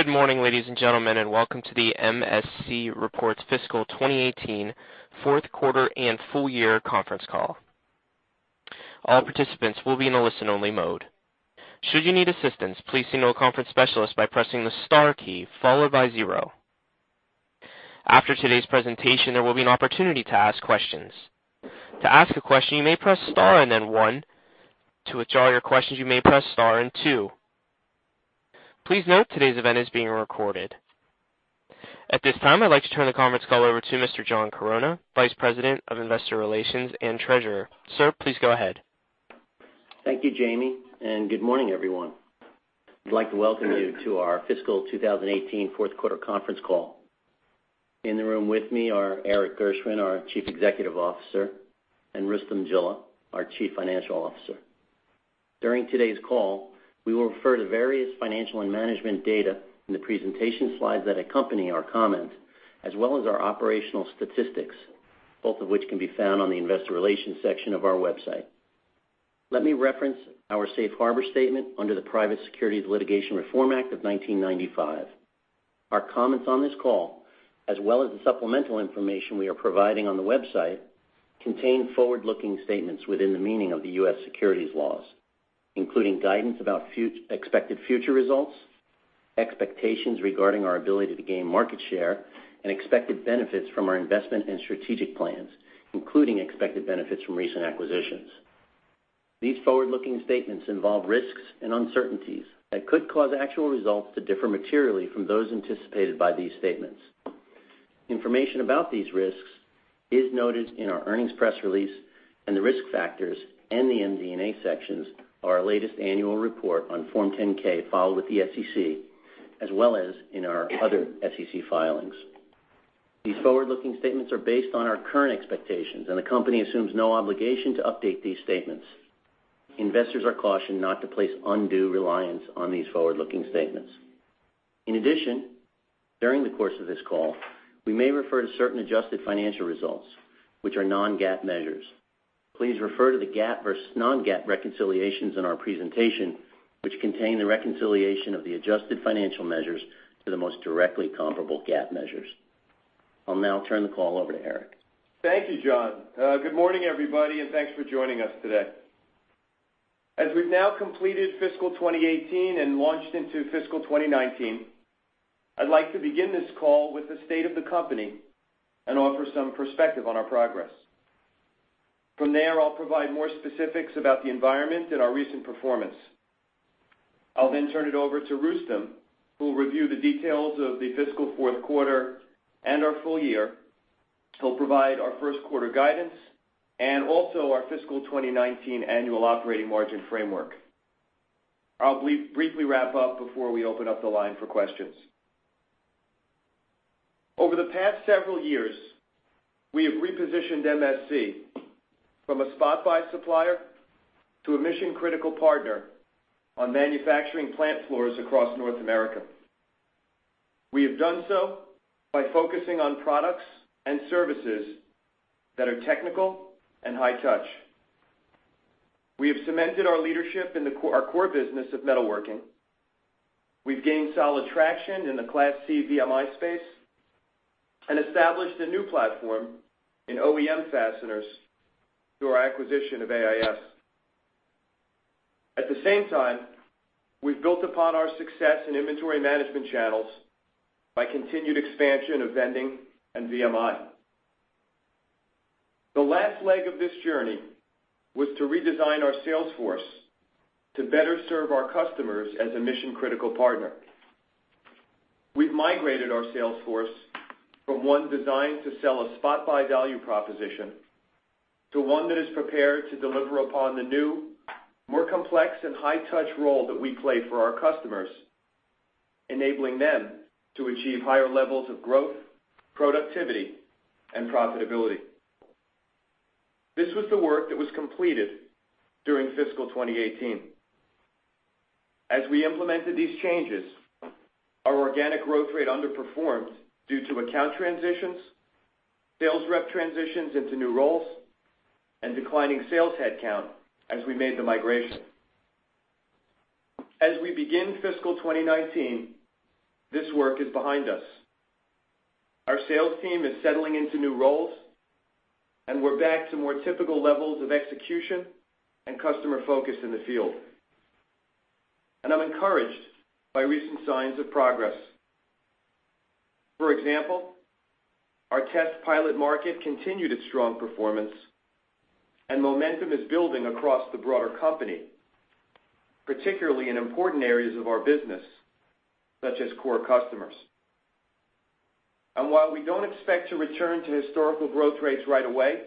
Good morning, ladies and gentlemen, and welcome to the MSC Reports Fiscal 2018 fourth quarter and full year conference call. All participants will be in a listen-only mode. Should you need assistance, please signal a conference specialist by pressing the star key followed by zero. After today's presentation, there will be an opportunity to ask questions. To ask a question, you may press star and then one. To withdraw your questions, you may press star and two. Please note, today's event is being recorded. At this time, I'd like to turn the conference call over to Mr. John Chironna, Vice President of Investor Relations and Treasurer. Sir, please go ahead. Thank you, Jamie. Good morning, everyone. I'd like to welcome you to our fiscal 2018 fourth quarter conference call. In the room with me are Erik Gershwind, our Chief Executive Officer, and Rustom Jilla, our Chief Financial Officer. During today's call, we will refer to various financial and management data in the presentation slides that accompany our comments, as well as our operational statistics, both of which can be found on the investor relations section of our website. Let me reference our safe harbor statement under the Private Securities Litigation Reform Act of 1995. Our comments on this call, as well as the supplemental information we are providing on the website, contain forward-looking statements within the meaning of the U.S. securities laws. Including guidance about expected future results, expectations regarding our ability to gain market share, and expected benefits from our investment and strategic plans, including expected benefits from recent acquisitions. These forward-looking statements involve risks and uncertainties that could cause actual results to differ materially from those anticipated by these statements. Information about these risks is noted in our earnings press release and the risk factors and the MD&A sections of our latest annual report on Form 10-K filed with the SEC, as well as in our other SEC filings. These forward-looking statements are based on our current expectations, and the company assumes no obligation to update these statements. Investors are cautioned not to place undue reliance on these forward-looking statements. In addition, during the course of this call, we may refer to certain adjusted financial results, which are non-GAAP measures. Please refer to the GAAP versus non-GAAP reconciliations in our presentation, which contain the reconciliation of the adjusted financial measures to the most directly comparable GAAP measures. I'll now turn the call over to Erik. Thank you, John. Good morning, everybody, and thanks for joining us today. As we've now completed fiscal 2018 and launched into fiscal 2019, I'd like to begin this call with the state of the company and offer some perspective on our progress. From there, I'll provide more specifics about the environment and our recent performance. I'll then turn it over to Rustom, who will review the details of the fiscal fourth quarter and our full year. He'll provide our first quarter guidance and also our fiscal 2019 annual operating margin framework. I'll briefly wrap up before we open up the line for questions. Over the past several years, we have repositioned MSC from a spot buy supplier to a mission-critical partner on manufacturing plant floors across North America. We have done so by focusing on products and services that are technical and high touch. We have cemented our leadership in our core business of metalworking. We've gained solid traction in the Class C VMI space and established a new platform in OEM fasteners through our acquisition of AIS. At the same time, we've built upon our success in inventory management channels by continued expansion of vending and VMI. The last leg of this journey was to redesign our sales force to better serve our customers as a mission-critical partner. We've migrated our sales force from one designed to sell a spot buy value proposition to one that is prepared to deliver upon the new, more complex, and high-touch role that we play for our customers, enabling them to achieve higher levels of growth, productivity, and profitability. This was the work that was completed during fiscal 2018. As we implemented these changes, our organic growth rate underperformed due to account transitions, sales rep transitions into new roles, and declining sales headcount as we made the migration. As we begin fiscal 2019, this work is behind us. Our sales team is settling into new roles, and we're back to more typical levels of execution and customer focus in the field. I'm encouraged by recent signs of progress. For example, our test pilot market continued its strong performance, and momentum is building across the broader company, particularly in important areas of our business, such as core customers. While we don't expect to return to historical growth rates right away,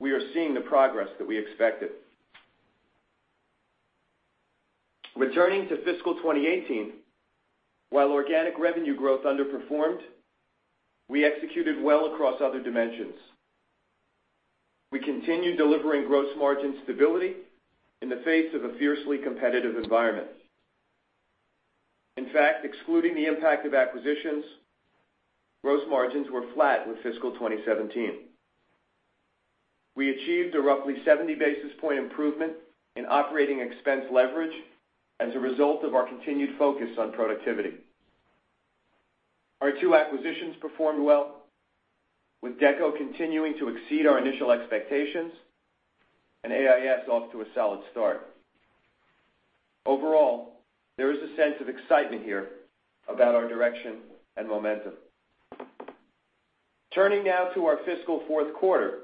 we are seeing the progress that we expected. Returning to fiscal 2018, while organic revenue growth underperformed, we executed well across other dimensions. We continued delivering gross margin stability in the face of a fiercely competitive environment. In fact, excluding the impact of acquisitions, gross margins were flat with fiscal 2017. We achieved a roughly 70 basis point improvement in operating expense leverage as a result of our continued focus on productivity. Our two acquisitions performed well, with DECO continuing to exceed our initial expectations and AIS off to a solid start. Overall, there is a sense of excitement here about our direction and momentum. Turning now to our fiscal fourth quarter,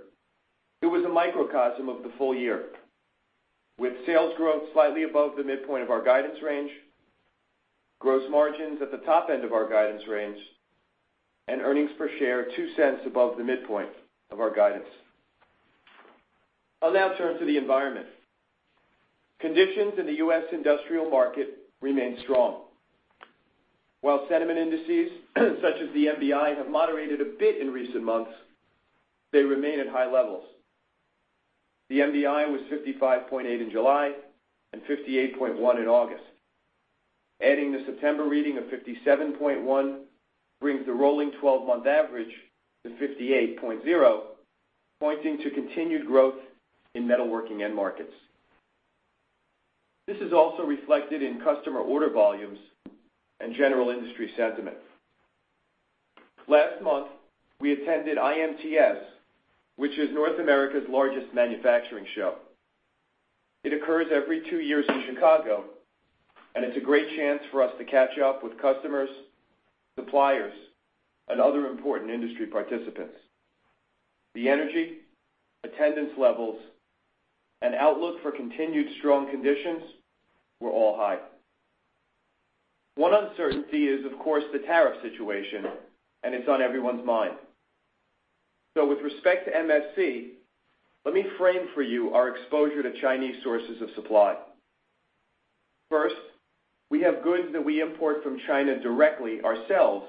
it was a microcosm of the full year, with sales growth slightly above the midpoint of our guidance range, gross margins at the top end of our guidance range, and earnings per share $0.03 above the midpoint of our guidance. I'll now turn to the environment. Conditions in the U.S. industrial market remain strong. While sentiment indices, such as the MBI, have moderated a bit in recent months, they remain at high levels. The MBI was 55.8 in July and 58.1 in August. Adding the September reading of 57.1 brings the rolling 12-month average to 58.0, pointing to continued growth in metalworking end markets. This is also reflected in customer order volumes and general industry sentiment. Last month, we attended IMTS, which is North America's largest manufacturing show. It occurs every two years in Chicago, and it's a great chance for us to catch up with customers, suppliers, and other important industry participants. The energy, attendance levels, and outlook for continued strong conditions were all high. One uncertainty is, of course, the tariff situation, and it's on everyone's mind. With respect to MSC, let me frame for you our exposure to Chinese sources of supply. First, we have goods that we import from China directly ourselves.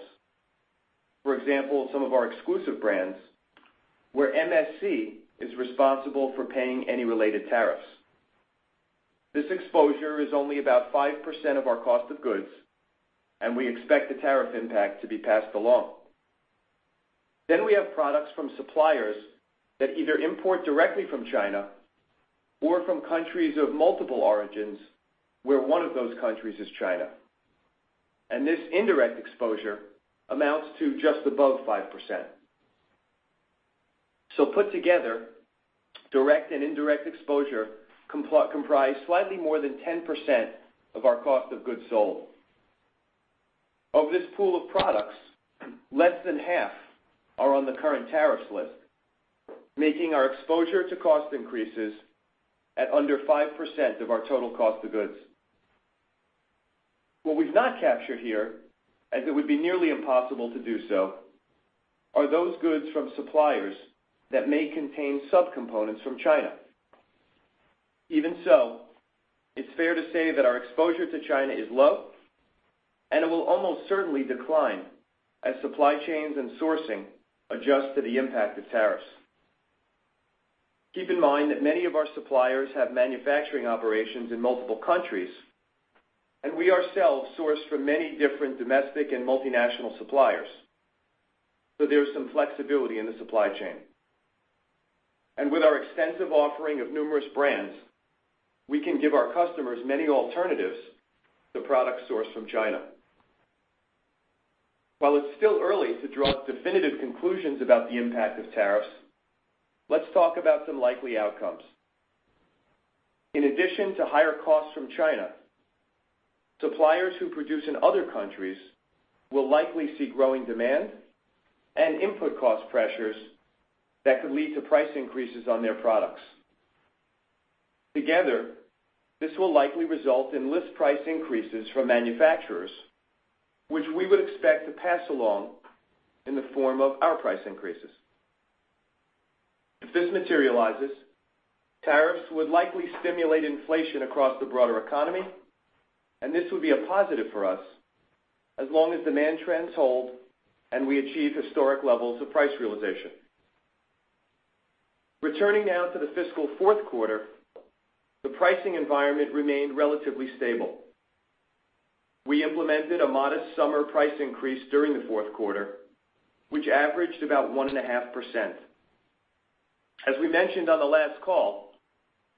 For example, some of our exclusive brands, where MSC is responsible for paying any related tariffs. This exposure is only about 5% of our cost of goods, and we expect the tariff impact to be passed along. We have products from suppliers that either import directly from China or from countries of multiple origins where one of those countries is China, and this indirect exposure amounts to just above 5%. Put together, direct and indirect exposure comprise slightly more than 10% of our cost of goods sold. Of this pool of products, less than half are on the current tariffs list, making our exposure to cost increases at under 5% of our total cost of goods. What we've not captured here, as it would be nearly impossible to do so, are those goods from suppliers that may contain sub-components from China. Even so, it's fair to say that our exposure to China is low, and it will almost certainly decline as supply chains and sourcing adjust to the impact of tariffs. Keep in mind that many of our suppliers have manufacturing operations in multiple countries, and we ourselves source from many different domestic and multinational suppliers. There is some flexibility in the supply chain. With our extensive offering of numerous brands, we can give our customers many alternatives to products sourced from China. While it's still early to draw definitive conclusions about the impact of tariffs, let's talk about some likely outcomes. In addition to higher costs from China, suppliers who produce in other countries will likely see growing demand and input cost pressures that could lead to price increases on their products. Together, this will likely result in list price increases from manufacturers, which we would expect to pass along in the form of our price increases. If this materializes, tariffs would likely stimulate inflation across the broader economy, and this would be a positive for us as long as demand trends hold and we achieve historic levels of price realization. Returning now to the fiscal fourth quarter, the pricing environment remained relatively stable. We implemented a modest summer price increase during the fourth quarter, which averaged about 1.5%. As we mentioned on the last call,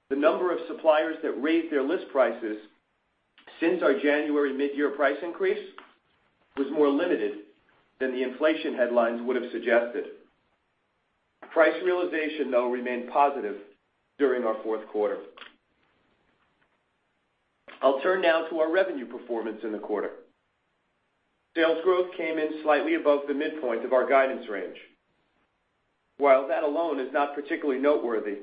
the number of suppliers that raised their list prices since our January mid-year price increase was more limited than the inflation headlines would have suggested. Price realization, though, remained positive during our fourth quarter. I'll turn now to our revenue performance in the quarter. Sales growth came in slightly above the midpoint of our guidance range. While that alone is not particularly noteworthy,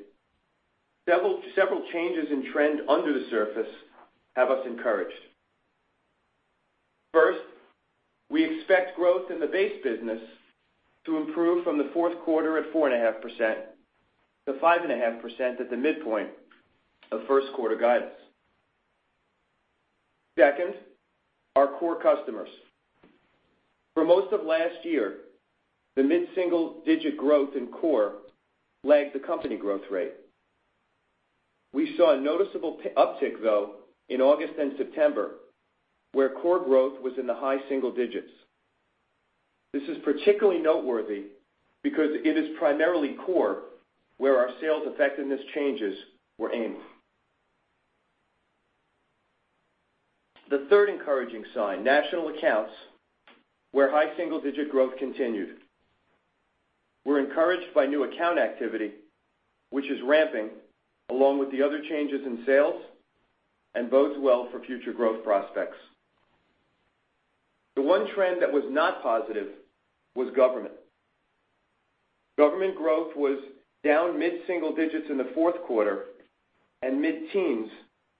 several changes in trend under the surface have us encouraged. First, we expect growth in the base business to improve from the fourth quarter at 4.5% to 5.5% at the midpoint of first quarter guidance. Second, our core customers. For most of last year, the mid-single digit growth in core lagged the company growth rate. We saw a noticeable uptick, though, in August and September, where core growth was in the high single digits. This is particularly noteworthy because it is primarily core where our sales effectiveness changes were aimed. The third encouraging sign, national accounts, where high single-digit growth continued. We are encouraged by new account activity, which is ramping along with the other changes in sales and bodes well for future growth prospects. The one trend that was not positive was government. Government growth was down mid-single digits in the fourth quarter and mid-teens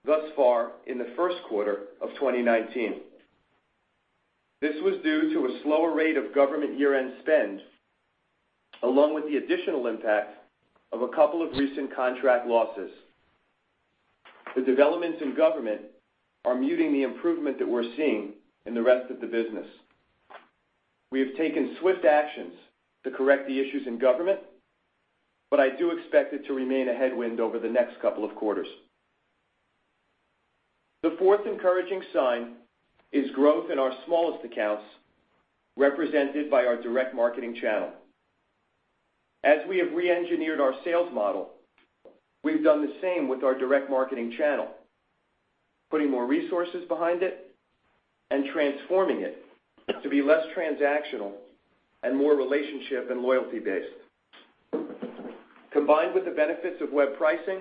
thus far in the first quarter of 2019. This was due to a slower rate of government year-end spend, along with the additional impact of a couple of recent contract losses. The developments in government are muting the improvement that we are seeing in the rest of the business. We have taken swift actions to correct the issues in government, but I do expect it to remain a headwind over the next couple of quarters. The fourth encouraging sign is growth in our smallest accounts, represented by our direct marketing channel. As we have re-engineered our sales model, we have done the same with our direct marketing channel, putting more resources behind it and transforming it to be less transactional and more relationship and loyalty-based. Combined with the benefits of web pricing,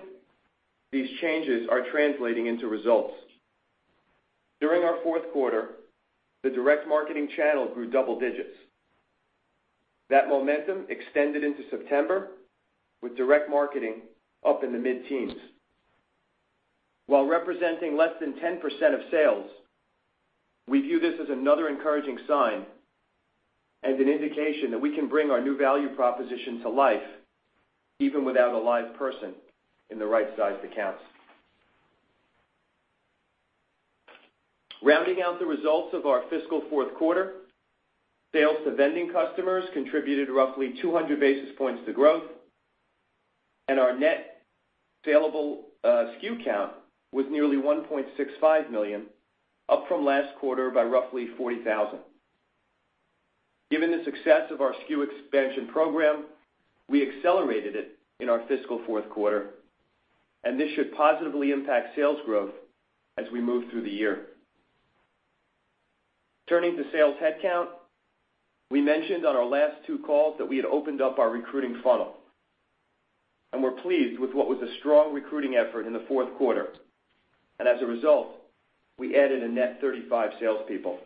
these changes are translating into results. During our fourth quarter, the direct marketing channel grew double digits. That momentum extended into September with direct marketing up in the mid-teens. While representing less than 10% of sales, we view this as another encouraging sign and an indication that we can bring our new value proposition to life even without a live person in the right-sized accounts. Rounding out the results of our fiscal fourth quarter, sales to vending customers contributed roughly 200 basis points to growth, and our net saleable SKU count was nearly 1.65 million, up from last quarter by roughly 40,000. Given the success of our SKU expansion program, we accelerated it in our fiscal fourth quarter, and this should positively impact sales growth as we move through the year. Turning to sales headcount, we mentioned on our last two calls that we had opened up our recruiting funnel, and we are pleased with what was a strong recruiting effort in the fourth quarter. As a result, we added a net 35 salespeople.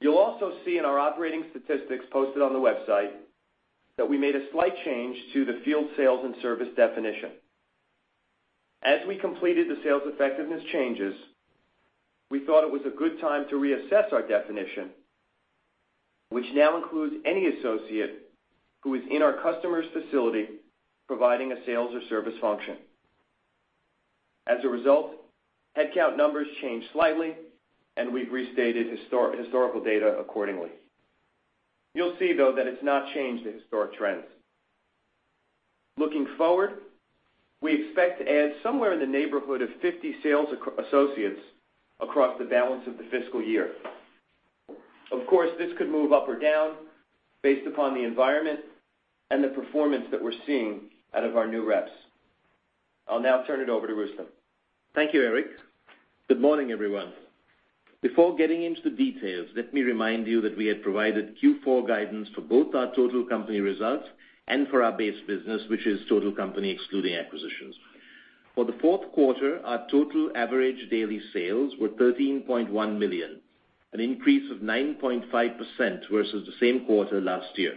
You will also see in our operating statistics posted on the website that we made a slight change to the field sales and service definition. As we completed the sales effectiveness changes, we thought it was a good time to reassess our definition, which now includes any associate who is in our customer's facility providing a sales or service function. As a result, headcount numbers change slightly, and we have restated historical data accordingly. You will see, though, that it has not changed the historic trends. Looking forward, we expect to add somewhere in the neighborhood of 50 sales associates across the balance of the fiscal year. Of course, this could move up or down based upon the environment and the performance that we're seeing out of our new reps. I'll now turn it over to Rustom. Thank you, Erik. Good morning, everyone. Before getting into the details, let me remind you that we had provided Q4 guidance for both our total company results and for our base business, which is total company excluding acquisitions. For the fourth quarter, our total average daily sales were $13.1 million, an increase of 9.5% versus the same quarter last year.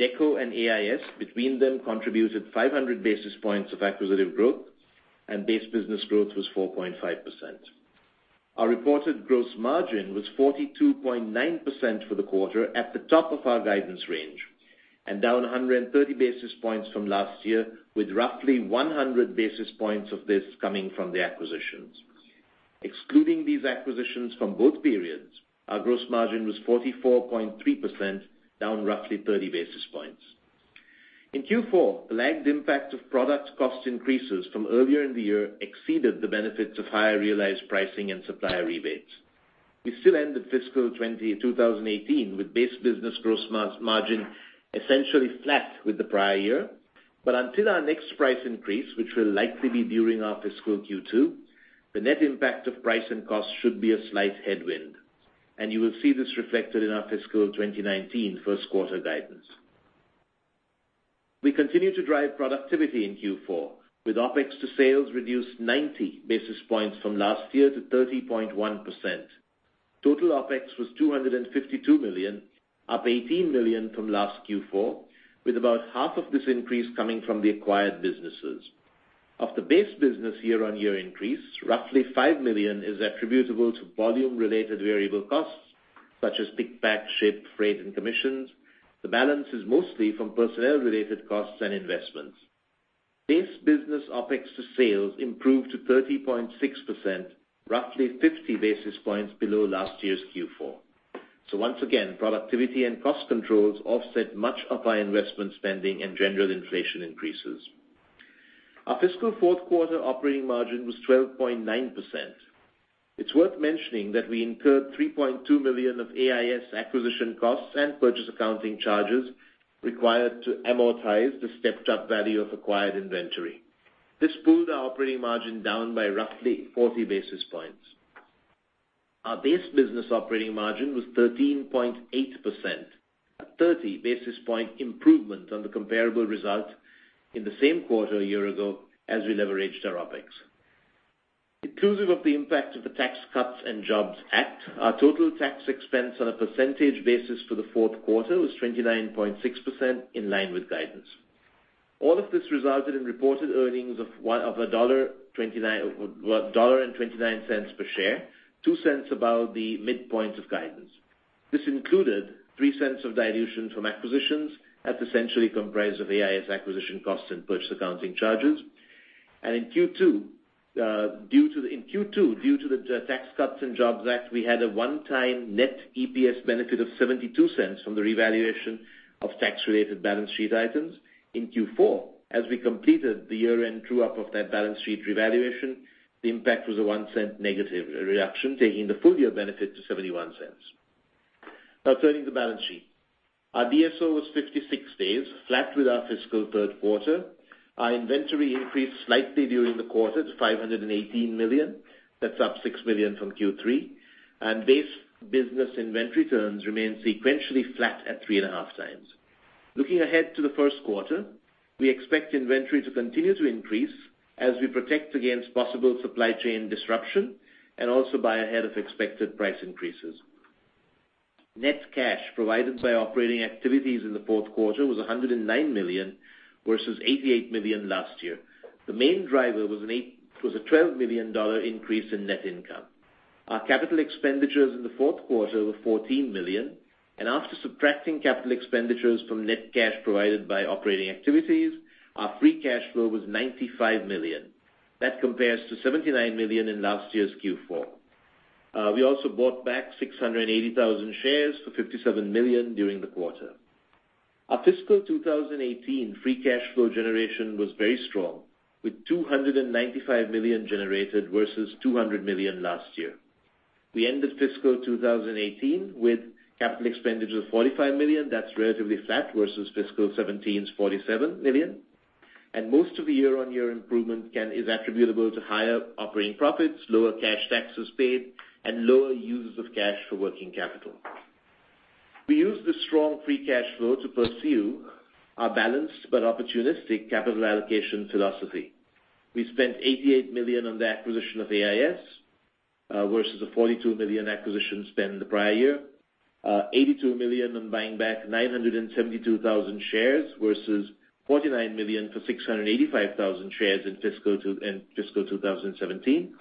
DECO and AIS between them contributed 500 basis points of acquisitive growth, and base business growth was 4.5%. Our reported gross margin was 42.9% for the quarter at the top of our guidance range and down 130 basis points from last year, with roughly 100 basis points of this coming from the acquisitions. Excluding these acquisitions from both periods, our gross margin was 44.3%, down roughly 30 basis points. In Q4, the lagged impact of product cost increases from earlier in the year exceeded the benefits of higher realized pricing and supplier rebates. We still ended fiscal 2018 with base business gross margin essentially flat with the prior year, but until our next price increase, which will likely be during our fiscal Q2, the net impact of price and cost should be a slight headwind. You will see this reflected in our fiscal 2019 first quarter guidance. We continue to drive productivity in Q4, with OpEx to sales reduced 90 basis points from last year to 30.1%. Total OpEx was $252 million, up $18 million from last Q4, with about half of this increase coming from the acquired businesses. Of the base business year-on-year increase, roughly $5 million is attributable to volume-related variable costs, such as pick, pack, ship, freight, and commissions. The balance is mostly from personnel-related costs and investments. Base business OpEx to sales improved to 30.6%, roughly 50 basis points below last year's Q4. Once again, productivity and cost controls offset much of our investment spending and general inflation increases. Our fiscal fourth quarter operating margin was 12.9%. It's worth mentioning that we incurred $3.2 million of AIS acquisition costs and purchase accounting charges required to amortize the stepped-up value of acquired inventory. This pulled our operating margin down by roughly 40 basis points. Our base business operating margin was 13.8%, a 30 basis point improvement on the comparable result in the same quarter a year ago as we leveraged our OpEx. Inclusive of the impact of the Tax Cuts and Jobs Act, our total tax expense on a percentage basis for the fourth quarter was 29.6%, in line with guidance. All of this resulted in reported earnings of $1.29 per share, $0.02 above the midpoint of guidance. This included $0.03 of dilution from acquisitions and the three cents comprised of All Integrated Solutions acquisition costs and purchase accounting charges. In Q2, due to the Tax Cuts and Jobs Act, we had a one-time net EPS benefit of $0.72 from the revaluation of tax-related balance sheet items. In Q4, as we completed the year-end true-up of that balance sheet revaluation, the impact was a $0.01 negative reaction, taking the full year benefit to $0.71. Turning the balance sheet. Our DSO was 56 days, flat with our fiscal third quarter. Our inventory increased slightly during the quarter to $518 million. That's up six million from Q3. Base business inventory turns remained sequentially flat at three and a half times. Looking ahead to the first quarter, we expect inventory to continue to increase as we protect against possible supply chain disruption and also buy ahead of expected price increases. Net cash provided by operating activities in the fourth quarter was $109 million versus $88 million last year. The main driver was a $12 million increase in net income. Our capital expenditures in the fourth quarter were $14 million, and after subtracting capital expenditures from net cash provided by operating activities, our free cash flow was $95 million. That compares to $79 million in last year's Q4. We also bought back 680,000 shares for $57 million during the quarter. Our fiscal 2018 free cash flow generation was very strong with $295 million generated versus $200 million last year. We ended fiscal 2018 with capital expenditures of $45 million. That's relatively flat versus fiscal 2017's $47 million, and most of the year-on-year improvement is attributable to higher operating profits, lower cash taxes paid, and lower uses of cash for working capital. We used this strong free cash flow to pursue our balanced but opportunistic capital allocation philosophy. We spent $88 million on the acquisition of All Integrated Solutions, versus a $42 million acquisition spend the prior year. $82 million on buying back 972,000 shares versus $49 million for 685,000 shares in fiscal 2017.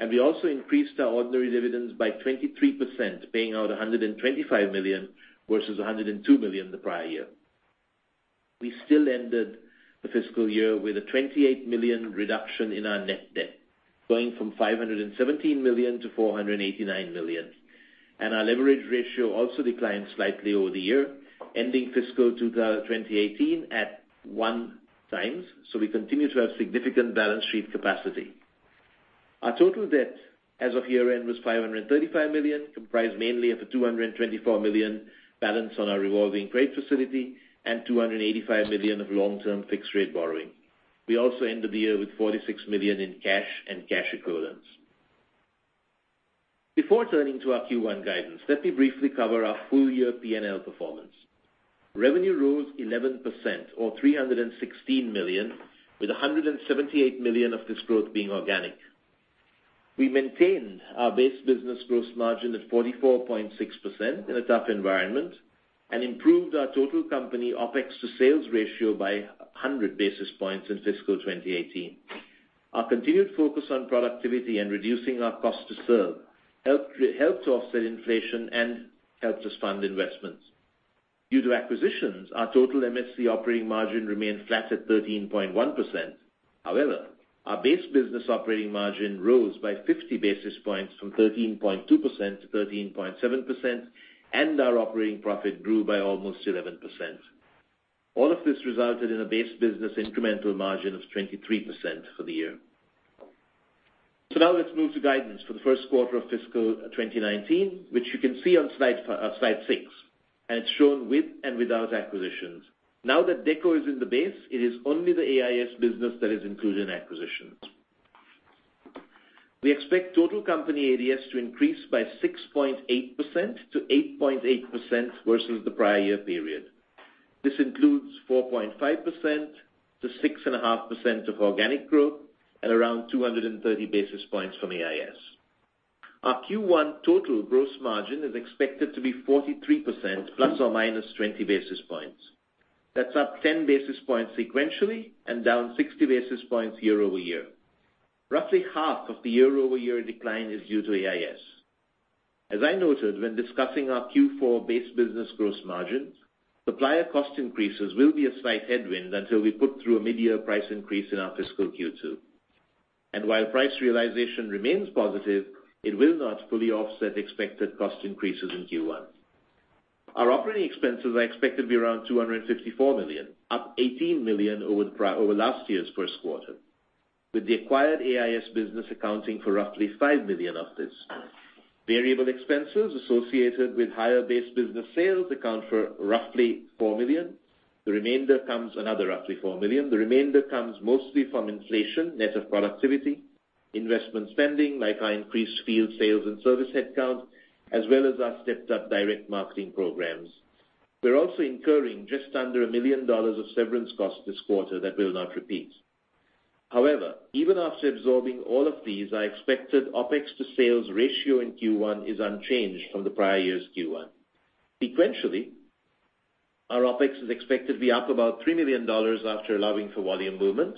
We also increased our ordinary dividends by 23%, paying out $125 million versus $102 million the prior year. We still ended the fiscal year with a $28 million reduction in our net debt, going from $517 million to $489 million. Our leverage ratio also declined slightly over the year, ending fiscal 2018 at one times. We continue to have significant balance sheet capacity. Our total debt as of year-end was $535 million, comprised mainly of a $224 million balance on our revolving credit facility and $285 million of long-term fixed rate borrowing. We also ended the year with $46 million in cash and cash equivalents. Before turning to our Q1 guidance, let me briefly cover our full year P&L performance. Revenue rose 11%, or $316 million, with $178 million of this growth being organic. We maintained our base business gross margin at 44.6% in a tough environment and improved our total company OpEx to sales ratio by 100 basis points in fiscal 2018. Our continued focus on productivity and reducing our cost to serve helped offset inflation and helped us fund investments. Due to acquisitions, our total MSC operating margin remained flat at 13.1%. However, our base business operating margin rose by 50 basis points from 13.2% to 13.7%, and our operating profit grew by almost 11%. All of this resulted in a base business incremental margin of 23% for the year. Now let's move to guidance for the first quarter of fiscal 2019, which you can see on slide six, and it's shown with and without acquisitions. Now that Deco is in the base, it is only the AIS business that is included in acquisitions. We expect total company ADS to increase by 6.8%-8.8% versus the prior year period. This includes 4.5%-6.5% of organic growth and around 230 basis points from AIS. Our Q1 total gross margin is expected to be 43% ±20 basis points. That's up 10 basis points sequentially and down 60 basis points year-over-year. Roughly half of the year-over-year decline is due to AIS. As I noted when discussing our Q4 base business gross margins, supplier cost increases will be a slight headwind until we put through a mid-year price increase in our fiscal Q2. And while price realization remains positive, it will not fully offset expected cost increases in Q1. Our operating expenses are expected to be around $254 million, up $18 million over last year's first quarter, with the acquired AIS business accounting for roughly $5 million of this. Variable expenses associated with higher base business sales account for roughly $4 million. Another roughly $4 million. The remainder comes mostly from inflation, net of productivity, investment spending like our increased field sales and service headcount, as well as our stepped-up direct marketing programs. We're also incurring just under $1 million of severance costs this quarter that will not repeat. However, even after absorbing all of these, our expected OpEx to sales ratio in Q1 is unchanged from the prior year's Q1. Sequentially, our OpEx is expected to be up about $3 million after allowing for volume movement.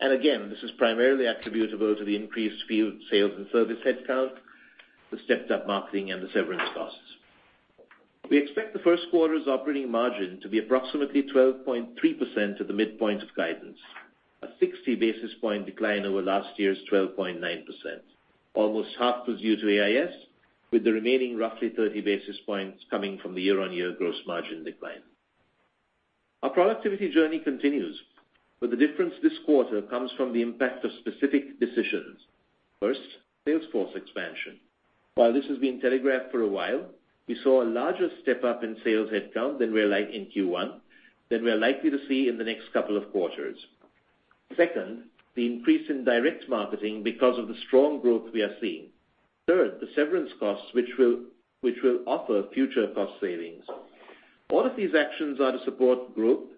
Again, this is primarily attributable to the increased field sales and service headcount, the stepped-up marketing, and the severance costs. We expect the first quarter's operating margin to be approximately 12.3% at the midpoint of guidance, a 60-basis point decline over last year's 12.9%. Almost half was due to AIS, with the remaining roughly 30 basis points coming from the year-on-year gross margin decline. Our productivity journey continues, but the difference this quarter comes from the impact of specific decisions. First, sales force expansion. While this has been telegraphed for a while, we saw a larger step-up in sales headcount than we are likely to see in the next couple of quarters. Second, the increase in direct marketing because of the strong growth we are seeing. Third, the severance costs, which will offer future cost savings. All of these actions are to support growth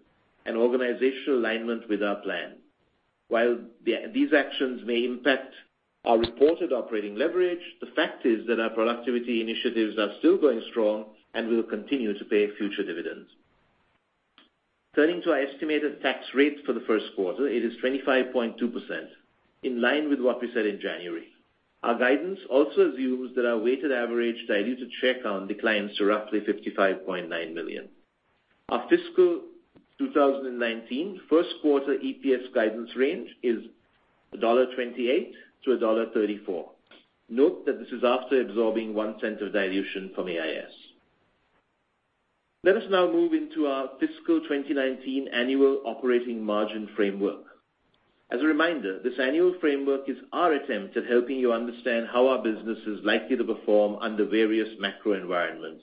and organizational alignment with our plan. While these actions may impact our reported operating leverage, the fact is that our productivity initiatives are still going strong and will continue to pay future dividends. Turning to our estimated tax rate for the first quarter, it is 25.2%, in line with what we said in January. Our guidance also assumes that our weighted average diluted share count declines to roughly 55.9 million. Our fiscal 2019 first quarter EPS guidance range is $1.28-$1.34. Note that this is after absorbing $0.01 of dilution from AIS. Let us now move into our fiscal 2019 annual operating margin framework. As a reminder, this annual framework is our attempt at helping you understand how our business is likely to perform under various macro environments,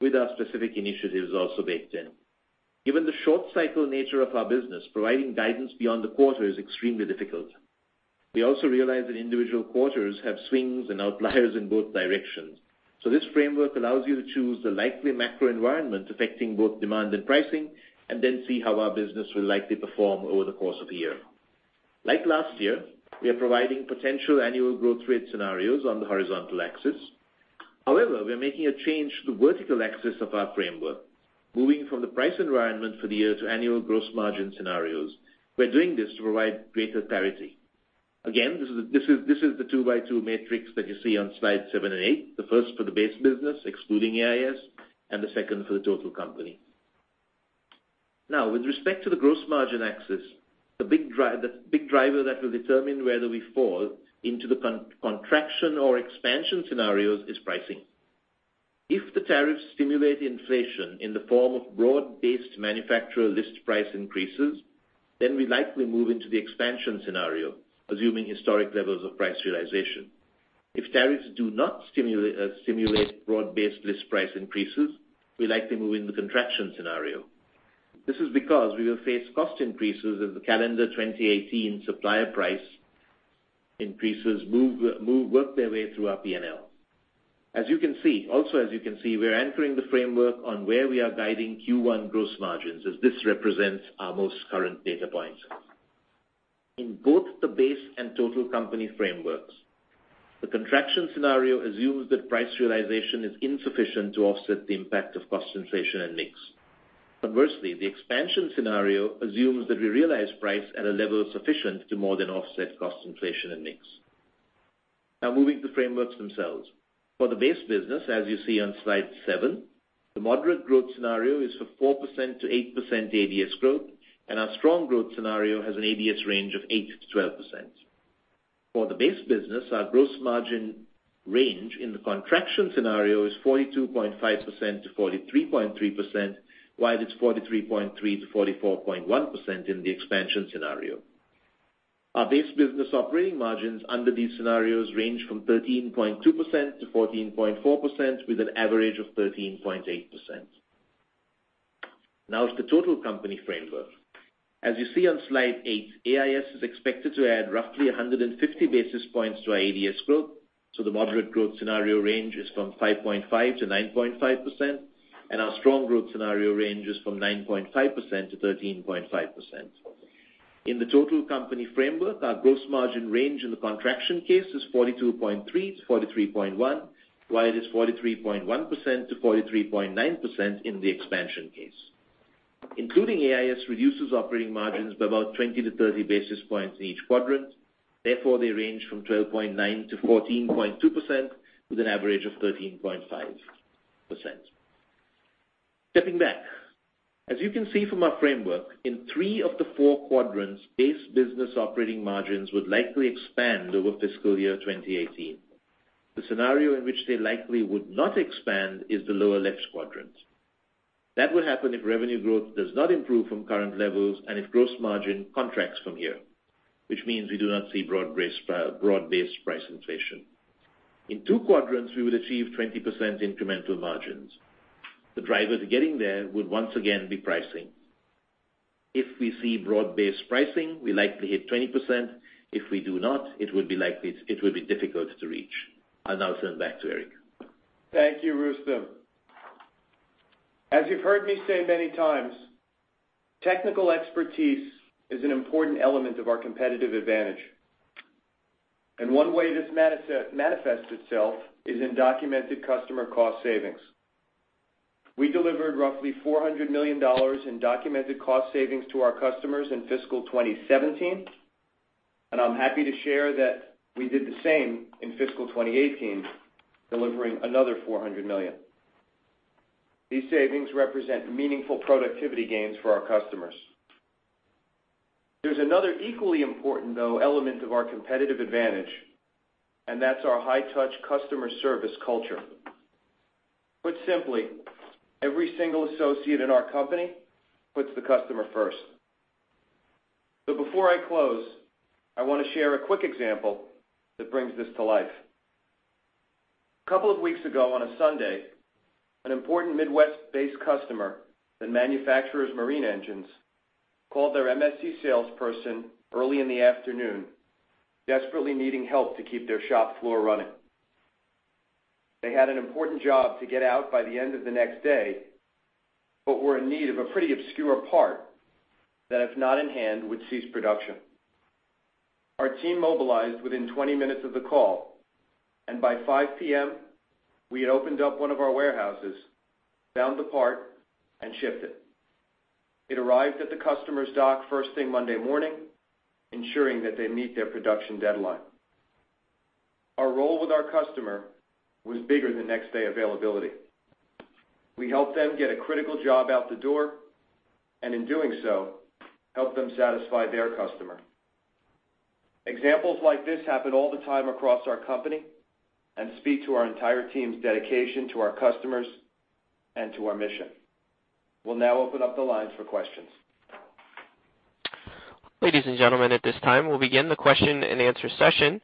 with our specific initiatives also baked in. Given the short cycle nature of our business, providing guidance beyond the quarter is extremely difficult. We also realize that individual quarters have swings and outliers in both directions. This framework allows you to choose the likely macro environment affecting both demand and pricing, and then see how our business will likely perform over the course of the year. Like last year, we are providing potential annual growth rate scenarios on the horizontal axis. However, we are making a change to the vertical axis of our framework, moving from the price environment for the year to annual gross margin scenarios. We are doing this to provide greater clarity. Again, this is the 2 by 2 matrix that you see on slide seven and eight. The first for the base business, excluding AIS, and the second for the total company. With respect to the gross margin axis, the big driver that will determine whether we fall into the contraction or expansion scenarios is pricing. If the tariffs stimulate inflation in the form of broad-based manufacturer list price increases, then we likely move into the expansion scenario, assuming historic levels of price realization. If tariffs do not stimulate broad-based list price increases, we likely move in the contraction scenario. This is because we will face cost increases as the calendar 2018 supplier price increases work their way through our P&L. As you can see, we are entering the framework on where we are guiding Q1 gross margins, as this represents our most current data points. In both the base and total company frameworks, the contraction scenario assumes that price realization is insufficient to offset the impact of cost inflation and mix. Conversely, the expansion scenario assumes that we realize price at a level sufficient to more than offset cost inflation and mix. Moving to the frameworks themselves. For the base business, as you see on slide seven, the moderate growth scenario is for 4%-8% ADS growth, and our strong growth scenario has an ADS range of 8%-12%. For the base business, our gross margin range in the contraction scenario is 42.5%-43.3%, while it is 43.3%-44.1% in the expansion scenario. Our base business operating margins under these scenarios range from 13.2%-14.4%, with an average of 13.8%. To the total company framework. As you see on slide eight, AIS is expected to add roughly 150 basis points to our ADS growth, so the moderate growth scenario range is from 5.5%-9.5%, and our strong growth scenario range is from 9.5%-13.5%. In the total company framework, our gross margin range in the contraction case is 42.3%-43.1%, while it is 43.1%-43.9% in the expansion case. Including AIS reduces operating margins by about 20-30 basis points in each quadrant. Therefore, they range from 12.9%-14.2%, with an average of 13.5%. Stepping back, as you can see from our framework, in three of the four quadrants, base business operating margins would likely expand over fiscal year 2018. The scenario in which they likely would not expand is the lower-left quadrant. That would happen if revenue growth does not improve from current levels and if gross margin contracts from here, which means we do not see broad-based price inflation. In two quadrants, we would achieve 20% incremental margins. The drivers getting there would once again be pricing. If we see broad-based pricing, we likely hit 20%. If we do not, it would be difficult to reach. I'll now send it back to Erik. Thank you, Rustom. As you've heard me say many times, technical expertise is an important element of our competitive advantage, and one way this manifests itself is in documented customer cost savings. We delivered roughly $400 million in documented cost savings to our customers in fiscal 2017, and I'm happy to share that we did the same in fiscal 2018, delivering another $400 million. These savings represent meaningful productivity gains for our customers. There's another equally important, though, element of our competitive advantage, and that's our high-touch customer service culture. Put simply, every single associate in our company puts the customer first. Before I close, I want to share a quick example that brings this to life. A couple of weeks ago, on a Sunday, an important Midwest-based customer that manufactures marine engines called their MSC salesperson early in the afternoon, desperately needing help to keep their shop floor running. They had an important job to get out by the end of the next day, but were in need of a pretty obscure part, that if not in hand, would cease production. Our team mobilized within 20 minutes of the call, and by 5:00 P.M., we had opened up one of our warehouses, found the part, and shipped it. It arrived at the customer's dock first thing Monday morning, ensuring that they meet their production deadline. Our role with our customer was bigger than next-day availability. We helped them get a critical job out the door, and in doing so, helped them satisfy their customer. Examples like this happen all the time across our company and speak to our entire team's dedication to our customers and to our mission. We'll now open up the lines for questions. Ladies and gentlemen, at this time, we'll begin the question and answer session.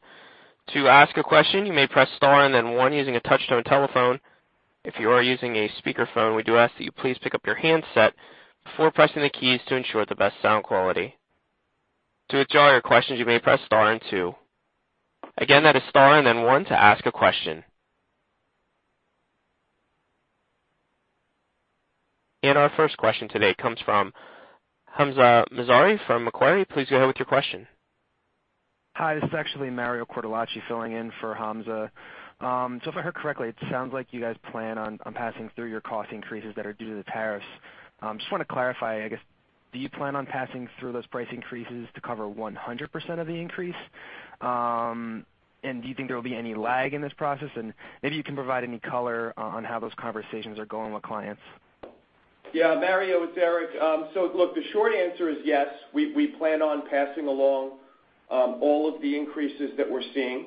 To ask a question, you may press star and then one using a touch-tone telephone. If you are using a speakerphone, we do ask that you please pick up your handset before pressing the keys to ensure the best sound quality. To withdraw your questions, you may press star and two. Again, that is star and then one to ask a question. Our first question today comes from Hamza Mazari from Macquarie. Please go ahead with your question. Hi, this is actually Mario Cortellacci filling in for Hamza. If I heard correctly, it sounds like you guys plan on passing through your cost increases that are due to the tariffs. Just want to clarify, I guess, do you plan on passing through those price increases to cover 100% of the increase? Do you think there will be any lag in this process? Maybe you can provide any color on how those conversations are going with clients. Yeah, Mario, it's Erik. Look, the short answer is yes. We plan on passing along all of the increases that we're seeing.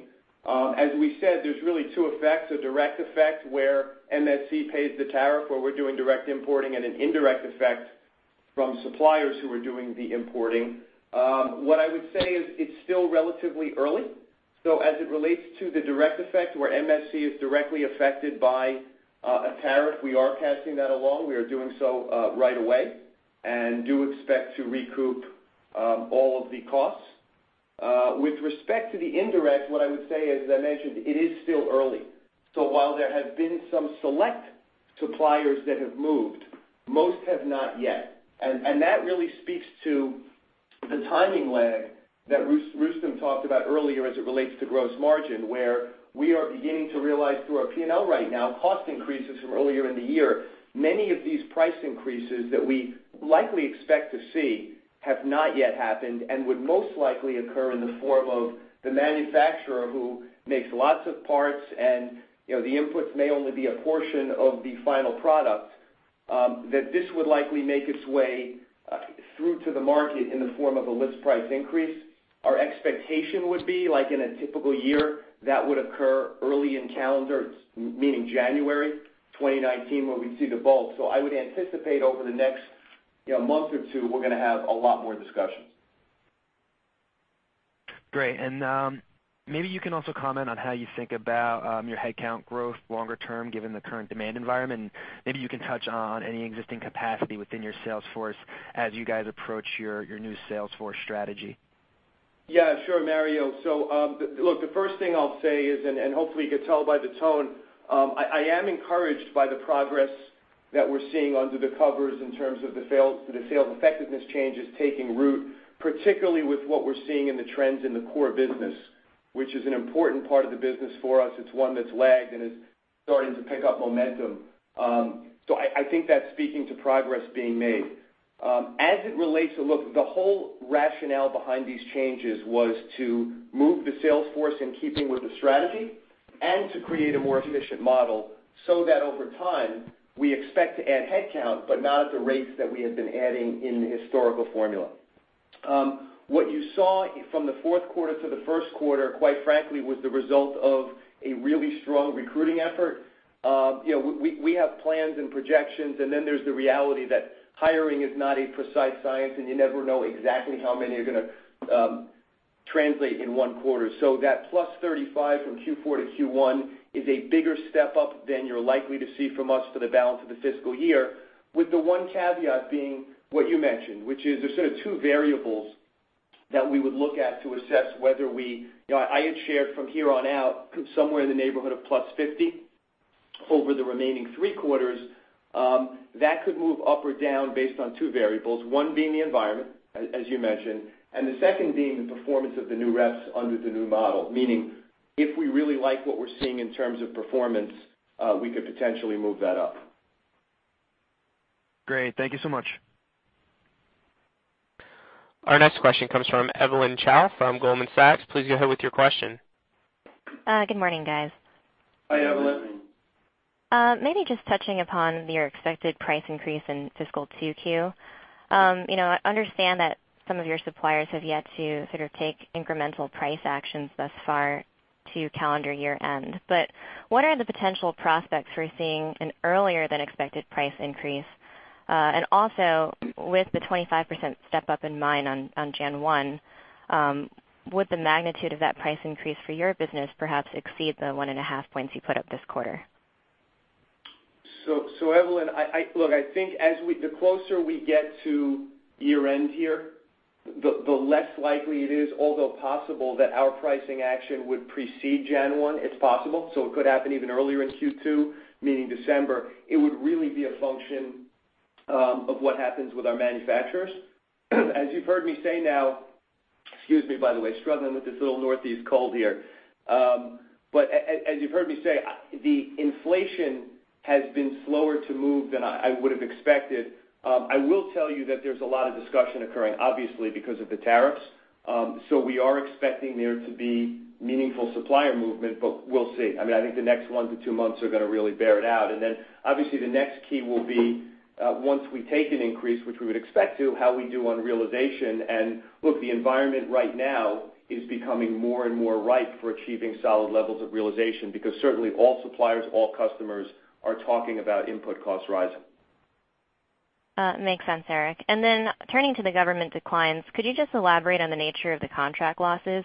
As we said, there's really two effects, a direct effect where MSC pays the tariff, where we're doing direct importing, and an indirect effect from suppliers who are doing the importing. What I would say is it's still relatively early. As it relates to the direct effect, where MSC is directly affected by a tariff, we are passing that along. We are doing so right away and do expect to recoup all of the costs. With respect to the indirect, what I would say is, as I mentioned, it is still early. While there have been some select suppliers that have moved, most have not yet. That really speaks to the timing lag that Rustom talked about earlier as it relates to gross margin, where we are beginning to realize through our P&L right now, cost increases from earlier in the year. Many of these price increases that we likely expect to see have not yet happened and would most likely occur in the form of the manufacturer who makes lots of parts, and the inputs may only be a portion of the final product, that this would likely make its way through to the market in the form of a list price increase. Our expectation would be like in a typical year, that would occur early in calendar, meaning January 2019, where we'd see the bulk. I would anticipate over the next month or two, we're going to have a lot more discussions. Great. Maybe you can also comment on how you think about your headcount growth longer term, given the current demand environment. Maybe you can touch on any existing capacity within your sales force as you guys approach your new sales force strategy. Yeah, sure, Mario. Look, the first thing I'll say is, and hopefully you could tell by the tone, I am encouraged by the progress that we're seeing under the covers in terms of the sales effectiveness changes taking root, particularly with what we're seeing in the trends in the core business, which is an important part of the business for us. It's one that's lagged and is starting to pick up momentum. I think that's speaking to progress being made. As it relates to, look, the whole rationale behind these changes was to move the sales force in keeping with the strategy and to create a more efficient model so that over time we expect to add headcount, but not at the rates that we had been adding in the historical formula. What you saw from the fourth quarter to the first quarter, quite frankly, was the result of a really strong recruiting effort. We have plans and projections, and then there's the reality that hiring is not a precise science, and you never know exactly how many are going to translate in one quarter. That +35 from Q4 to Q1 is a bigger step up than you're likely to see from us for the balance of the fiscal year, with the one caveat being what you mentioned, which is there's sort of two variables that we would look at to assess whether I had shared from here on out somewhere in the neighborhood of +50 over the remaining three quarters. That could move up or down based on two variables, one being the environment, as you mentioned, and the second being the performance of the new reps under the new model, meaning if we really like what we're seeing in terms of performance, we could potentially move that up. Great. Thank you so much. Our next question comes from Evelyn Chow from Goldman Sachs. Please go ahead with your question. Good morning, guys. Hi, Evelyn. Maybe just touching upon your expected price increase in fiscal 2Q. I understand that some of your suppliers have yet to sort of take incremental price actions thus far to calendar year-end. What are the potential prospects for seeing an earlier than expected price increase? Also with the 25% step up in mind on January 1, would the magnitude of that price increase for your business perhaps exceed the one and a half points you put up this quarter? Evelyn, look, I think the closer we get to year-end here, the less likely it is, although possible, that our pricing action would precede January 1. It's possible. It could happen even earlier in Q2, meaning December. It would really be a function of what happens with our manufacturers. As you've heard me say now-- excuse me, by the way, struggling with this little Northeast cold here. As you've heard me say, the inflation has been slower to move than I would've expected. I will tell you that there's a lot of discussion occurring, obviously, because of the tariffs. We are expecting there to be meaningful supplier movement, but we'll see. I think the next one to two months are going to really bear it out. Obviously, the next key will be once we take an increase, which we would expect to, how we do on realization. Look, the environment right now is becoming more and more ripe for achieving solid levels of realization because certainly all suppliers, all customers are talking about input costs rising. Makes sense, Erik. Turning to the government declines, could you just elaborate on the nature of the contract losses?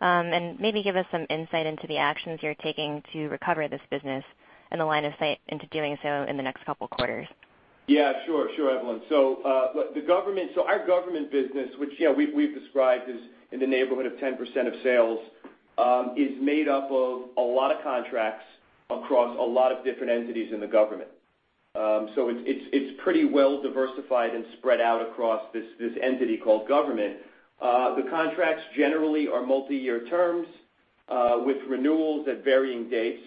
Maybe give us some insight into the actions you're taking to recover this business and the line of sight into doing so in the next couple of quarters. Yeah, sure, Evelyn. Our government business, which we've described is in the neighborhood of 10% of sales, is made up of a lot of contracts across a lot of different entities in the government. It's pretty well diversified and spread out across this entity called government. The contracts generally are multi-year terms, with renewals at varying dates.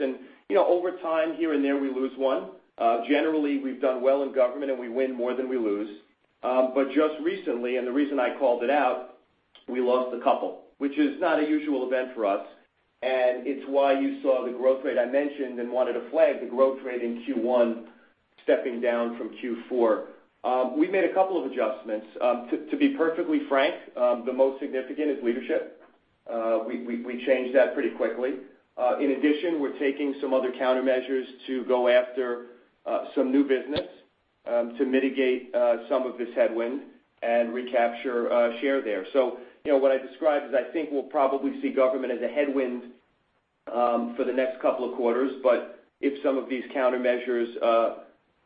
Over time, here and there, we lose one. Generally, we've done well in government, and we win more than we lose. Just recently, and the reason I called it out, we lost a couple, which is not a usual event for us, and it's why you saw the growth rate I mentioned and wanted to flag the growth rate in Q1 stepping down from Q4. We made a couple of adjustments. To be perfectly frank, the most significant is leadership. We changed that pretty quickly. In addition, we're taking some other countermeasures to go after some new business, to mitigate some of this headwind and recapture share there. What I described is I think we'll probably see government as a headwind for the next couple of quarters, but if some of these countermeasures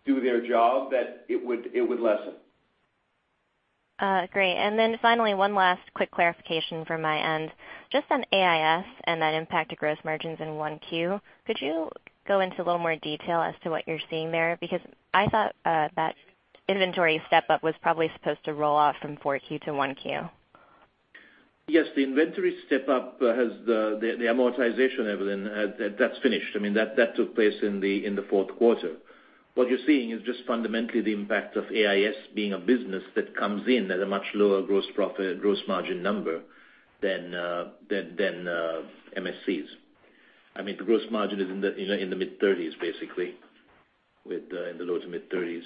do their job, it would lessen. Great. Then finally, one last quick clarification from my end. Just on AIS and that impact to gross margins in 1Q, could you go into a little more detail as to what you're seeing there? Because I thought that inventory step-up was probably supposed to roll off from 4Q to 1Q. Yes. The inventory step-up has the amortization, Evelyn. That's finished. That took place in the fourth quarter. What you're seeing is just fundamentally the impact of AIS being a business that comes in at a much lower gross margin number than MSC's. The gross margin is in the mid-30s, basically, in the low to mid-30s.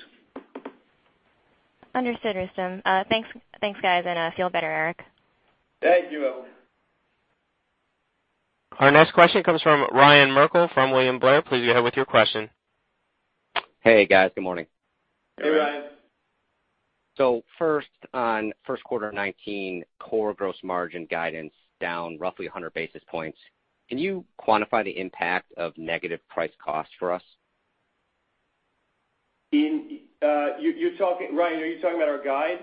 Understood, Rustom. Thanks, guys, and feel better, Erik. Thank you, Evelyn. Our next question comes from Ryan Merkel from William Blair. Please go ahead with your question. Hey, guys. Good morning. Hey, Ryan. First on first quarter 2019 core gross margin guidance down roughly 100 basis points. Can you quantify the impact of negative price cost for us? Ryan, are you talking about our guide?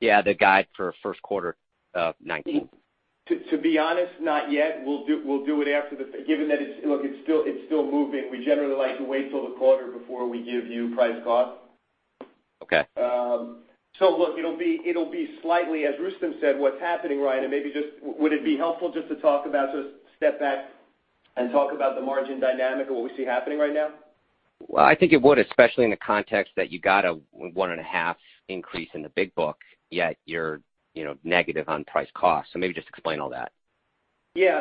Yeah, the guide for first quarter of 2019. To be honest, not yet. We'll do it given that it's still moving, we generally like to wait till the quarter before we give you price cost. Okay. Look, it'll be slightly, as Rustom said, what's happening, Ryan, and maybe just would it be helpful just to talk about, just step back and talk about the margin dynamic of what we see happening right now? Well, I think it would, especially in the context that you got a one and a half increase in the big book, yet you're negative on price cost. Maybe just explain all that. Yeah.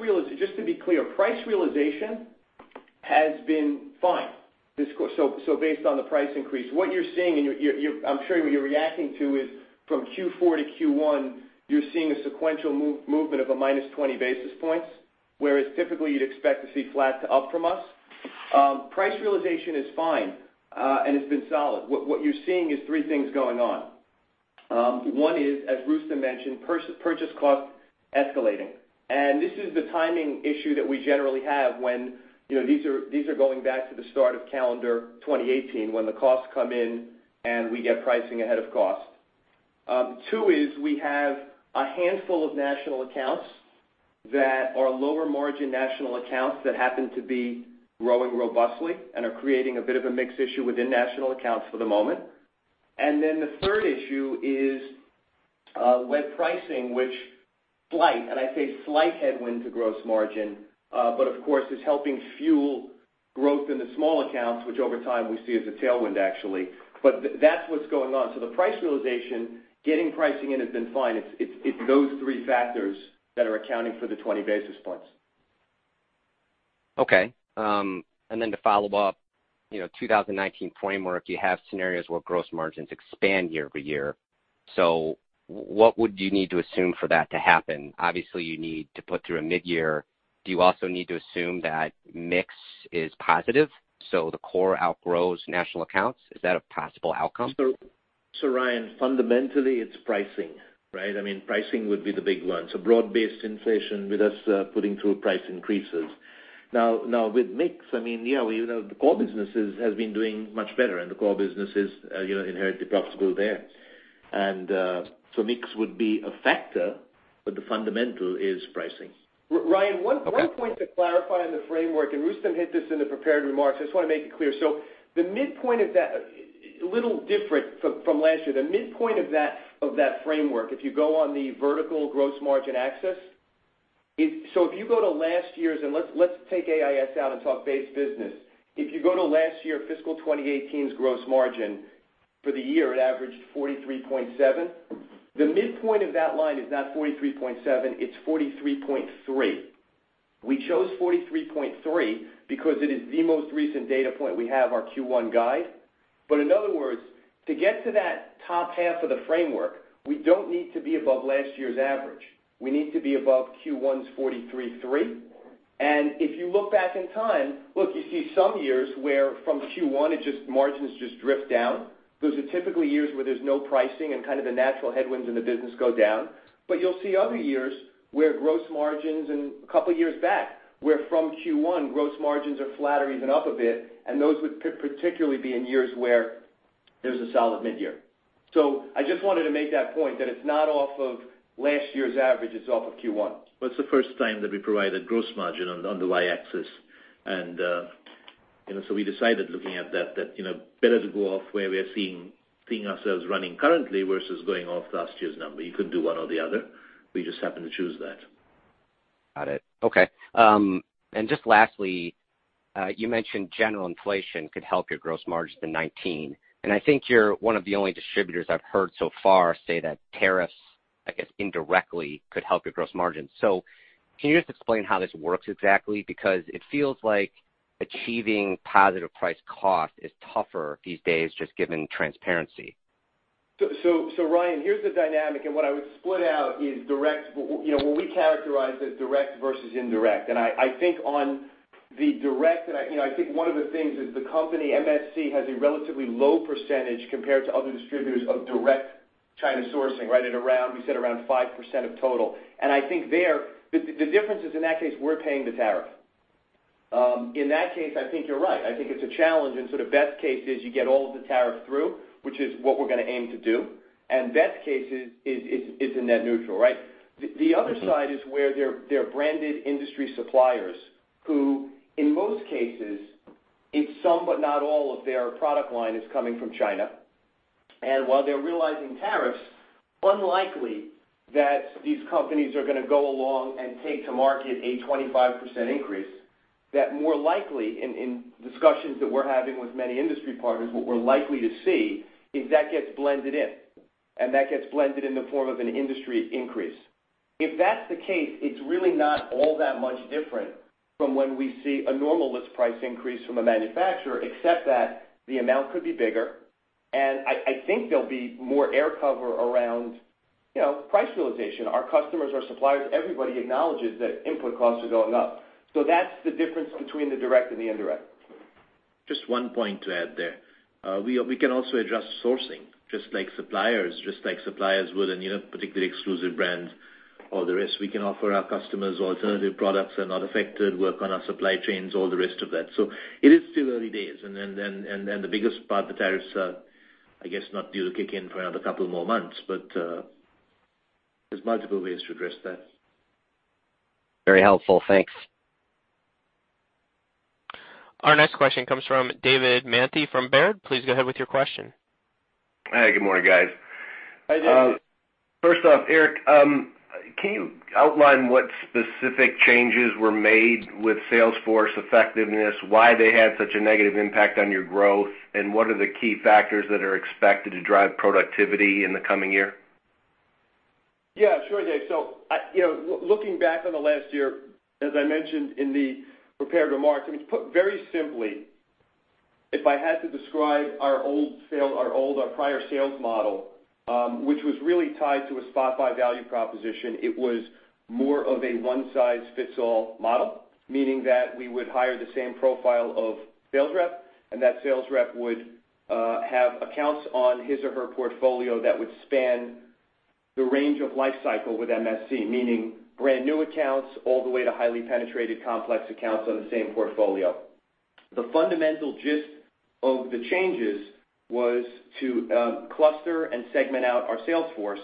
Really, just to be clear, price realization has been fine. Based on the price increase. What you're seeing, and I'm sure what you're reacting to, is from Q4 to Q1, you're seeing a sequential movement of a minus 20 basis points. Whereas typically, you'd expect to see flat to up from us. Price realization is fine, and it's been solid. What you're seeing is three things going on. One is, as Rustom mentioned, purchase cost escalating. This is the timing issue that we generally have when these are going back to the start of calendar 2018, when the costs come in, and we get pricing ahead of cost. Two is we have a handful of national accounts that are lower margin national accounts that happen to be growing robustly and are creating a bit of a mix issue within national accounts for the moment. The third issue is web pricing, which slight, and I say slight headwind to gross margin, of course, is helping fuel growth in the small accounts, which over time we see as a tailwind actually. That's what's going on. The price realization, getting pricing in has been fine. It's those three factors that are accounting for the 20 basis points. To follow up, 2019 framework, you have scenarios where gross margins expand year-over-year. What would you need to assume for that to happen? Obviously, you need to put through a mid-year. Do you also need to assume that mix is positive, the core outgrows national accounts? Is that a possible outcome? Ryan, fundamentally, it's pricing, right? Pricing would be the big one. Broad-based inflation with us putting through price increases. With mix, the core businesses has been doing much better, the core business is inherently profitable there. Mix would be a factor, but the fundamental is pricing. Ryan, one point to clarify on the framework, Rustom hit this in the prepared remarks. I just want to make it clear. A little different from last year. The midpoint of that framework, if you go on the vertical gross margin axis, if you go to last year's, let's take AIS out and talk base business. If you go to last year, fiscal 2018's gross margin for the year, it averaged 43.7. The midpoint of that line is not 43.7, it's 43.3. We chose 43.3 because it is the most recent data point we have, our Q1 guide. In other words, to get to that top half of the framework, we don't need to be above last year's average. We need to be above Q1's 43.3. If you look back in time, look, you see some years where from Q1 margins just drift down. Those are typically years where there's no pricing and kind of the natural headwinds in the business go down. You'll see other years where gross margins and a couple of years back, where from Q1 gross margins are flat or even up a bit, and those would particularly be in years where there's a solid mid-year. I just wanted to make that point that it's not off of last year's average, it's off of Q1. Well, it's the first time that we provided gross margin on the Y-axis. We decided looking at that better to go off where we are seeing ourselves running currently versus going off last year's number. You could do one or the other. We just happened to choose that. Got it. Okay. Just lastly, you mentioned general inflation could help your gross margin in 2019. I think you're one of the only distributors I've heard so far say that tariffs, I guess, indirectly could help your gross margin. Can you just explain how this works exactly? It feels like achieving positive price cost is tougher these days, just given transparency. Ryan, here's the dynamic, and what I would split out is direct, what we characterize as direct versus indirect. I think on the direct, I think one of the things is the company MSC has a relatively low percentage compared to other distributors of direct China sourcing, right at around, we said around 5% of total. I think there, the difference is in that case, we're paying the tariff. In that case, I think you're right. I think it's a challenge and sort of best case is you get all of the tariff through, which is what we're going to aim to do. Best case is it's a net neutral, right? The other side is where there are branded industry suppliers who in most cases, it's some but not all of their product line is coming from China. While they're realizing tariffs, unlikely that these companies are going to go along and take to market a 25% increase. More likely in discussions that we're having with many industry partners, what we're likely to see is that gets blended in, and that gets blended in the form of an industry increase. If that's the case, it's really not all that much different from when we see a normal list price increase from a manufacturer, except that the amount could be bigger, and I think there'll be more air cover around price realization. Our customers, our suppliers, everybody acknowledges that input costs are going up. That's the difference between the direct and the indirect. Just one point to add there. We can also adjust sourcing just like suppliers will in particularly exclusive brands. All the rest we can offer our customers alternative products that are not affected, work on our supply chains, all the rest of that. It is still early days. The biggest part, the tariffs are, I guess, not due to kick in for another couple more months. There's multiple ways to address that. Very helpful. Thanks. Our next question comes from David Manthey from Baird. Please go ahead with your question. Hi, good morning, guys. Hi, Dave. First off, Erik, can you outline what specific changes were made with salesforce effectiveness, why they had such a negative impact on your growth, and what are the key factors that are expected to drive productivity in the coming year? Yeah, sure, Dave. Looking back on the last year, as I mentioned in the prepared remarks, put very simply, if I had to describe our old, our prior sales model, which was really tied to a spot-buy value proposition, it was more of a one-size-fits-all model, meaning that we would hire the same profile of sales rep, and that sales rep would have accounts on his or her portfolio that would span the range of life cycle with MSC, meaning brand-new accounts all the way to highly penetrated complex accounts on the same portfolio. The fundamental gist of the changes was to cluster and segment out our salesforce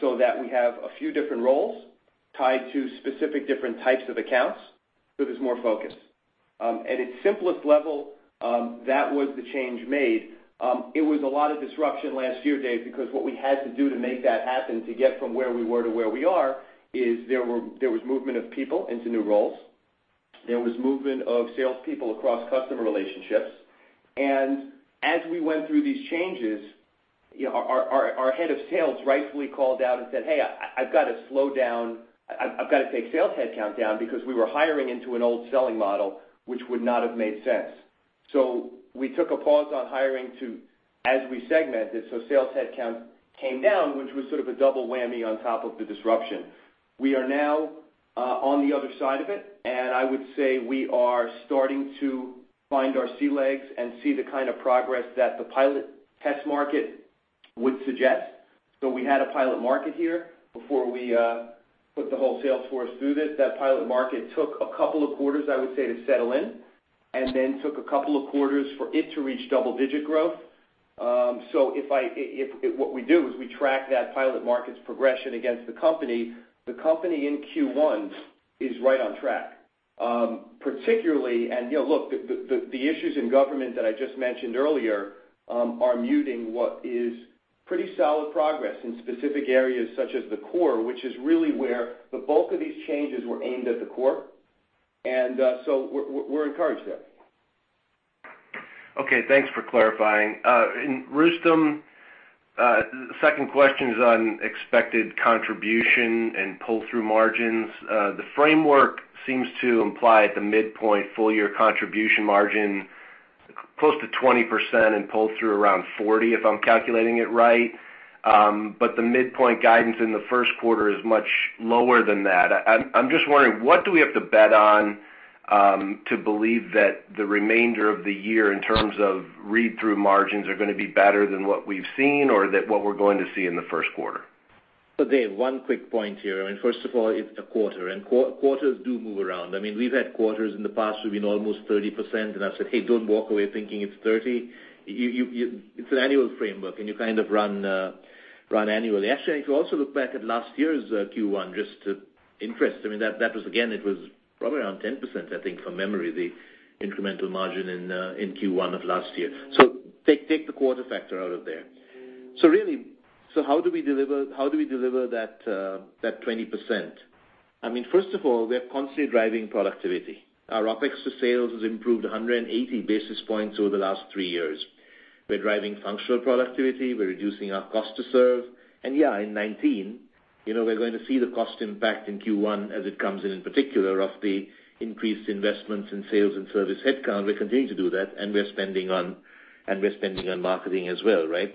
so that we have a few different roles tied to specific different types of accounts, so there's more focus. At its simplest level, that was the change made. It was a lot of disruption last year, Dave, because what we had to do to make that happen, to get from where we were to where we are, is there was movement of people into new roles. There was movement of salespeople across customer relationships. As we went through these changes, our head of sales rightfully called out and said, "Hey, I've got to slow down. I've got to take sales headcount down," because we were hiring into an old selling model, which would not have made sense. We took a pause on hiring as we segmented. Sales headcount came down, which was sort of a double whammy on top of the disruption. We are now on the other side of it, and I would say we are starting to find our sea legs and see the kind of progress that the pilot test market would suggest. We had a pilot market here before we put the whole salesforce through this. That pilot market took a couple of quarters, I would say, to settle in, and then took a couple of quarters for it to reach double-digit growth. If what we do is we track that pilot market's progression against the company, the company in Q1 is right on track. Particularly, look, the issues in government that I just mentioned earlier are muting what is pretty solid progress in specific areas such as the core, which is really where the bulk of these changes were aimed at the core. We're encouraged there. Okay, thanks for clarifying. Rustom, the second question is on expected contribution and pull-through margins. The framework seems to imply at the midpoint full-year contribution margin close to 20% and pull through around 40%, if I'm calculating it right. The midpoint guidance in the first quarter is much lower than that. I'm just wondering, what do we have to bet on to believe that the remainder of the year, in terms of read-through margins, are going to be better than what we've seen or that what we're going to see in the first quarter? Dave, one quick point here. First of all, it's a quarter, and quarters do move around. We've had quarters in the past who've been almost 30%, and I've said, "Hey, don't walk away thinking it's 30%." It's an annual framework, and you kind of run annually. Actually, if you also look back at last year's Q1, just of interest, that was again, probably around 10%, I think, from memory, the incremental margin in Q1 of last year. Take the quarter factor out of there. How do we deliver that 20%? First of all, we are constantly driving productivity. Our OpEx to sales has improved 180 basis points over the last three years. We're driving functional productivity. We're reducing our cost to serve. Yeah, in 2019, we're going to see the cost impact in Q1 as it comes in particular of the increased investments in sales and service headcount. We're continuing to do that, and we're spending on marketing as well, right?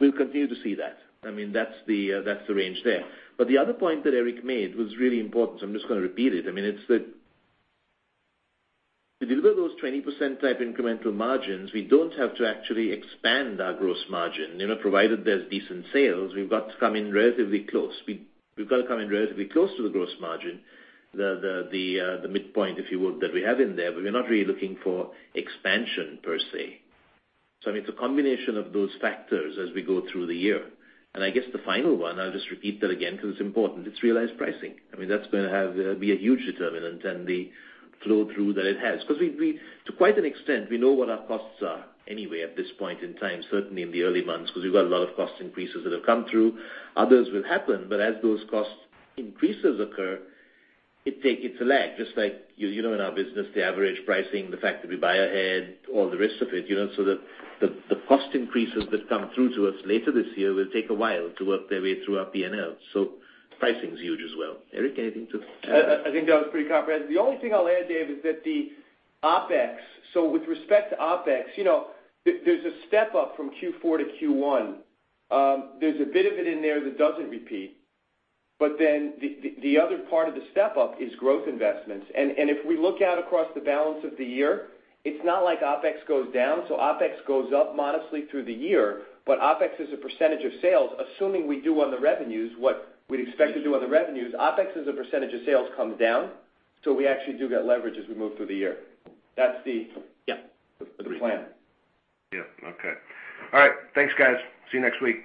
We'll continue to see that. That's the range there. The other point that Erik made was really important, so I'm just going to repeat it. To deliver those 20%-type incremental margins, we don't have to actually expand our gross margin. Provided there's decent sales, we've got to come in relatively close to the gross margin, the midpoint, if you will, that we have in there, but we're not really looking for expansion per se. It's a combination of those factors as we go through the year. I guess the final one, I'll just repeat that again because it's important, it's realized pricing. That's going to be a huge determinant and the flow-through that it has. To quite an extent, we know what our costs are anyway at this point in time, certainly in the early months, because we've got a lot of cost increases that have come through. Others will happen, but as those cost increases occur, it's a lag. Just like you know in our business, the average pricing, the fact that we buy ahead, all the rest of it, so the cost increases that come through to us later this year will take a while to work their way through our P&L. Pricing is huge as well. Erik, anything to add? I think that was pretty comprehensive. The only thing I'll add, David, is that the OpEx. With respect to OpEx, there's a step-up from Q4 to Q1. There's a bit of it in there that doesn't repeat. The other part of the step-up is growth investments. If we look out across the balance of the year, it's not like OpEx goes down. OpEx goes up modestly through the year, but OpEx as a % of sales, assuming we do on the revenues what we'd expect to do on the revenues, OpEx as a % of sales comes down. We actually do get leverage as we move through the year. That's the- Yeah the plan. Yeah. Okay. All right. Thanks, guys. See you next week.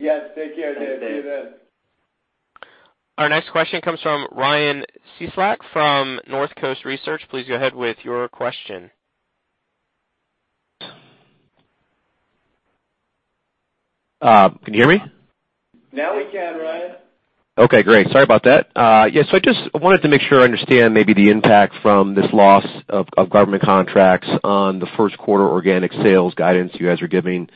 Yes. Take care, David. See you then. Our next question comes from Ryan Cieslak from North Coast Research. Please go ahead with your question. Can you hear me? Now we can, Ryan. Okay, great. Sorry about that. Yeah. I just wanted to make sure I understand maybe the impact from this loss of government contracts on the first quarter organic sales guidance you guys are giving,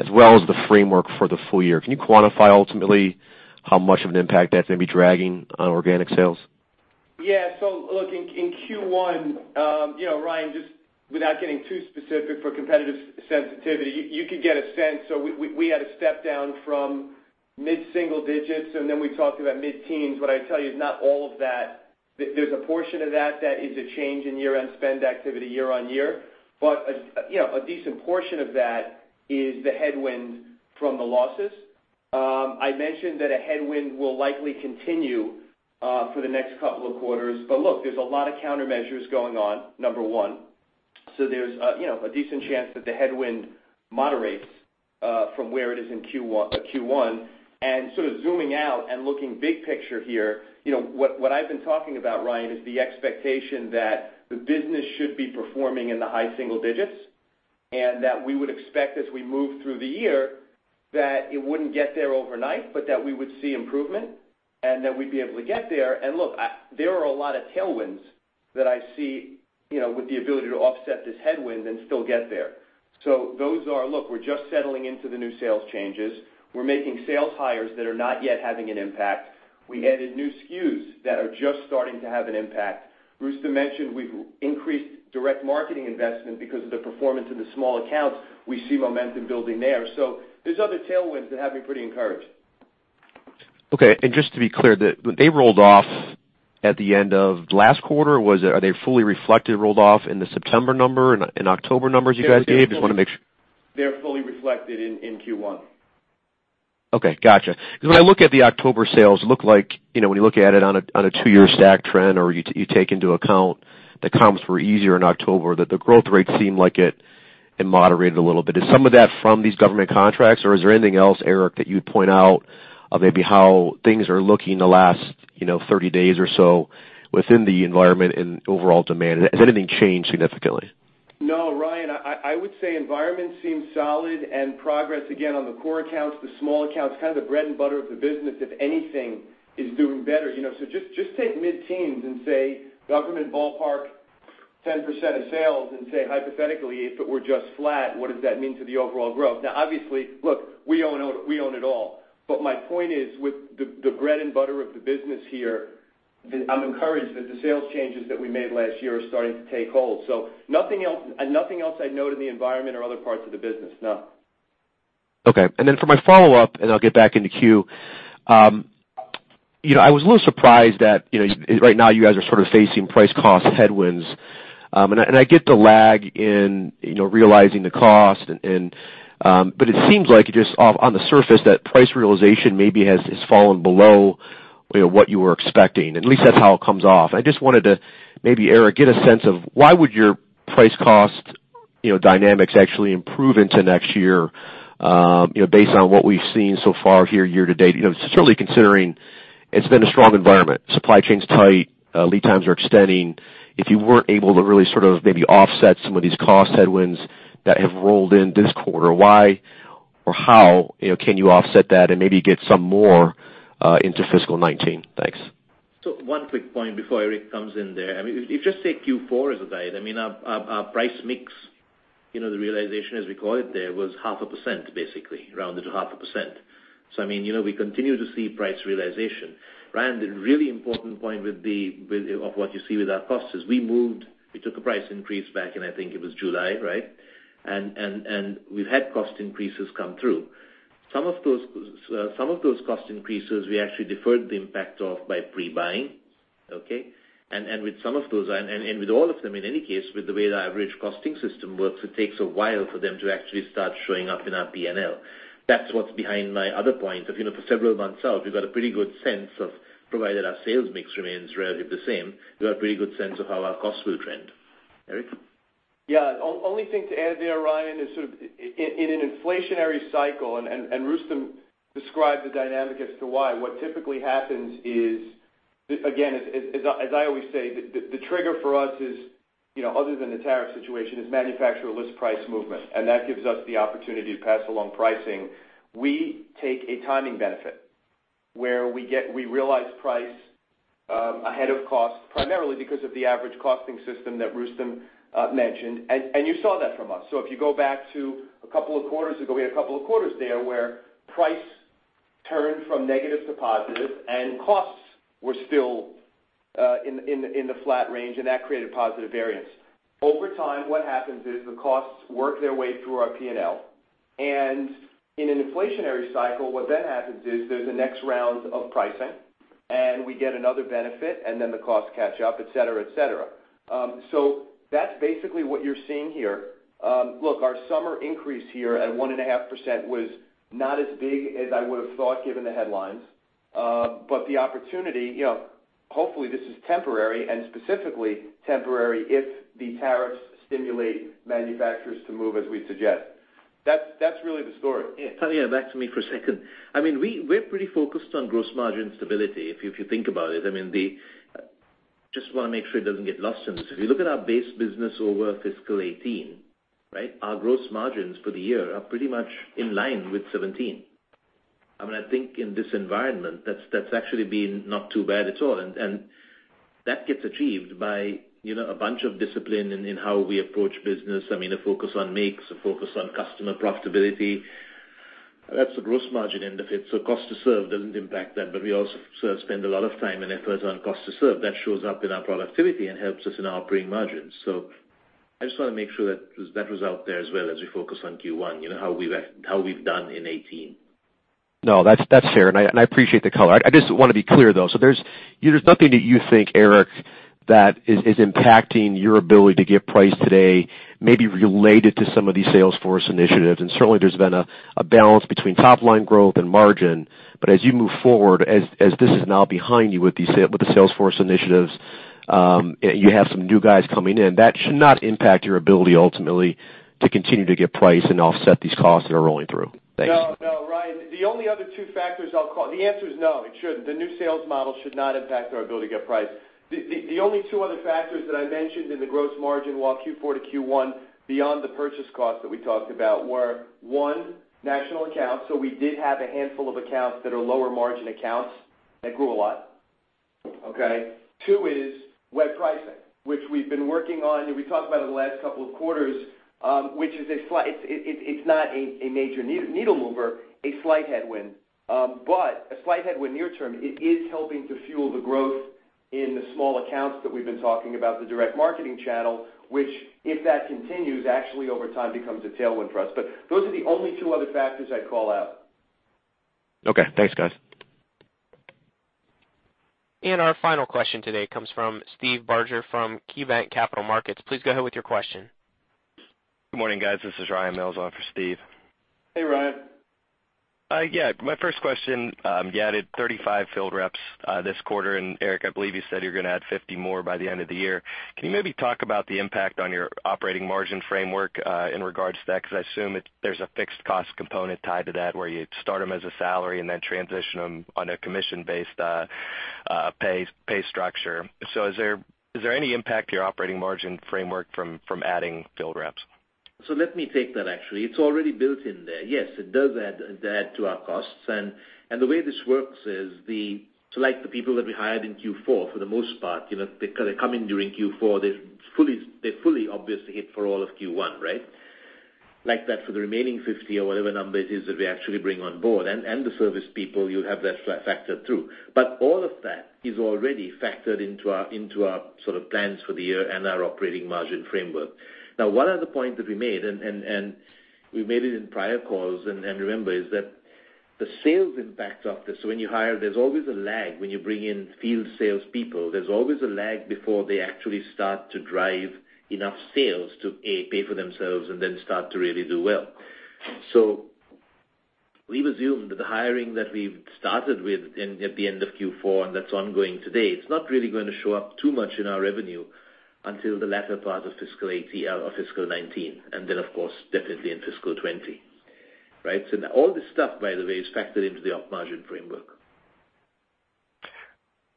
as well as the framework for the full year. Can you quantify ultimately how much of an impact that's going to be dragging on organic sales? Yeah. Look, in Q1, Ryan, just without getting too specific for competitive sensitivity, you could get a sense. We had a step down from mid-single digits. Then we talked about mid-teens, but I tell you, not all of that. There's a portion of that that is a change in year-on-year spend activity year-on-year. A decent portion of that is the headwind from the losses. I mentioned that a headwind will likely continue for the next couple of quarters. Look, there's a lot of countermeasures going on, number one. There's a decent chance that the headwind moderates from where it is in Q1. Sort of zooming out and looking big picture here, what I've been talking about, Ryan, is the expectation that the business should be performing in the high single digits. We would expect as we move through the year that it wouldn't get there overnight, but that we would see improvement and that we'd be able to get there. Look, there are a lot of tailwinds that I see with the ability to offset this headwind and still get there. Those are, look, we're just settling into the new sales changes. We're making sales hires that are not yet having an impact. We added new SKUs that are just starting to have an impact. Rustom mentioned we've increased direct marketing investment because of the performance in the small accounts. We see momentum building there. There's other tailwinds that have me pretty encouraged. Okay. Just to be clear, they rolled off at the end of last quarter? Are they fully reflected, rolled off in the September number and October numbers you guys gave? Just want to make sure. They're fully reflected in Q1. Okay, got you. When I look at the October sales, look like, when you look at it on a 2-year stack trend, or you take into account the comps were easier in October, that the growth rate seemed like it moderated a little bit. Is some of that from these government contracts, or is there anything else, Erik, that you'd point out of maybe how things are looking the last 30 days or so within the environment and overall demand? Has anything changed significantly? No, Ryan, I would say environment seems solid, progress, again, on the core accounts, the small accounts, kind of the bread and butter of the business, if anything, is doing better. Just take mid-teens and say government ballpark 10% of sales and say hypothetically, if it were just flat, what does that mean to the overall growth? Now, obviously, look, we own it all. My point is with the bread and butter of the business here, I'm encouraged that the sales changes that we made last year are starting to take hold. Nothing else I'd note in the environment or other parts of the business, no. Okay. For my follow-up, I'll get back into queue. I was a little surprised that right now you guys are sort of facing price cost headwinds. I get the lag in realizing the cost but it seems like just on the surface, that price realization maybe has fallen below what you were expecting. At least that's how it comes off. I just wanted to maybe, Erik, get a sense of why would your price cost dynamics actually improve into next year, based on what we've seen so far here year to date. Certainly considering it's been a strong environment, supply chain's tight, lead times are extending. If you weren't able to really sort of maybe offset some of these cost headwinds that have rolled in this quarter, why or how can you offset that and maybe get some more into fiscal 2019? Thanks. One quick point before Erik comes in there. If you just take Q4 as a guide, our price mix, the realization as we call it there, was 0.5%, basically, rounded to 0.5%. We continue to see price realization. Ryan, the really important point of what you see with our costs is we took a price increase back in, I think it was July, right? We've had cost increases come through. Some of those cost increases, we actually deferred the impact of by pre-buying, okay? With some of those, and with all of them, in any case, with the way the average costing system works, it takes a while for them to actually start showing up in our P&L. That's what's behind my other point of, for several months out, we've got a pretty good sense of, provided our sales mix remains relatively the same, we've got a pretty good sense of how our costs will trend. Erik? Yeah. Only thing to add there, Ryan, is sort of in an inflationary cycle. Rustom described the dynamic as to why, what typically happens is, again, as I always say, the trigger for us is, other than the tariff situation, is manufacturer list price movement. That gives us the opportunity to pass along pricing. We take a timing benefit where we realize price ahead of cost, primarily because of the average costing system that Rustom mentioned, and you saw that from us. If you go back to a couple of quarters ago, we had a couple of quarters there where price turned from negative to positive and costs were still in the flat range. That created positive variance. Over time, what happens is the costs work their way through our P&L, and in an inflationary cycle, what then happens is there's a next round of pricing, and we get another benefit, and then the costs catch up, et cetera. That's basically what you're seeing here. Look, our summer increase here at 1.5% was not as big as I would've thought given the headlines. The opportunity, hopefully this is temporary and specifically temporary if the tariffs stimulate manufacturers to move as we suggest. That's really the story. Yeah. Back to me for a second. We're pretty focused on gross margin stability, if you think about it. Just want to make sure it doesn't get lost in this. If you look at our base business over fiscal 2018, our gross margins for the year are pretty much in line with 2017. I think in this environment, that's actually been not too bad at all. That gets achieved by a bunch of discipline in how we approach business, a focus on makes, a focus on customer profitability. That's the gross margin end of it, so cost to serve doesn't impact that. We also spend a lot of time and effort on cost to serve. That shows up in our productivity and helps us in operating margins. I just want to make sure that was out there as well as we focus on Q1, how we've done in 2018. No, that's fair, and I appreciate the color. I just want to be clear, though. There's nothing that you think, Erik, that is impacting your ability to get price today, maybe related to some of these salesforce initiatives, and certainly there's been a balance between top-line growth and margin. As you move forward, as this is now behind you with the salesforce initiatives, you have some new guys coming in. That should not impact your ability ultimately to continue to get price and offset these costs that are rolling through. Thanks. No, Ryan. The answer is no, it shouldn't. The new sales model should not impact our ability to get price. The only two other factors that I mentioned in the gross margin while Q4 to Q1 beyond the purchase cost that we talked about were, one, national accounts. We did have a handful of accounts that are lower margin accounts that grew a lot. Okay? Two is web pricing, which we've been working on, and we talked about in the last couple of quarters, which it's not a major needle mover, a slight headwind. A slight headwind near term, it is helping to fuel the growth in the small accounts that we've been talking about, the direct marketing channel, which if that continues, actually over time becomes a tailwind for us. Those are the only two other factors I'd call out. Okay, thanks, guys. Our final question today comes from Steve Barger from KeyBanc Capital Markets. Please go ahead with your question. Good morning, guys. This is Ryan Mills on for Steve. Hey, Ryan. My first question, you added 35 field reps this quarter, and Erik, I believe you said you're going to add 50 more by the end of the year. Can you maybe talk about the impact on your operating margin framework in regards to that? Because I assume there's a fixed cost component tied to that where you start them as a salary and then transition them on a commission-based pay structure. Is there any impact to your operating margin framework from adding field reps? Let me take that, actually. It's already built in there. Yes, it does add to our costs. The way this works is the people that we hired in Q4, for the most part, they come in during Q4, they fully obviously hit for all of Q1, right? Like that for the remaining 50 or whatever number it is that we actually bring on board, and the service people, you have that factored through. All of that is already factored into our sort of plans for the year and our operating margin framework. One other point that we made, and we made it in prior calls, and remember, is that the sales impact of this, when you hire, there's always a lag when you bring in field salespeople. There's always a lag before they actually start to drive enough sales to, A, pay for themselves and then start to really do well. We've assumed that the hiring that we've started with at the end of Q4, and that's ongoing today, it's not really going to show up too much in our revenue until the latter part of fiscal 2019, and then, of course, definitely in fiscal 2020. Right? All this stuff, by the way, is factored into the op margin framework.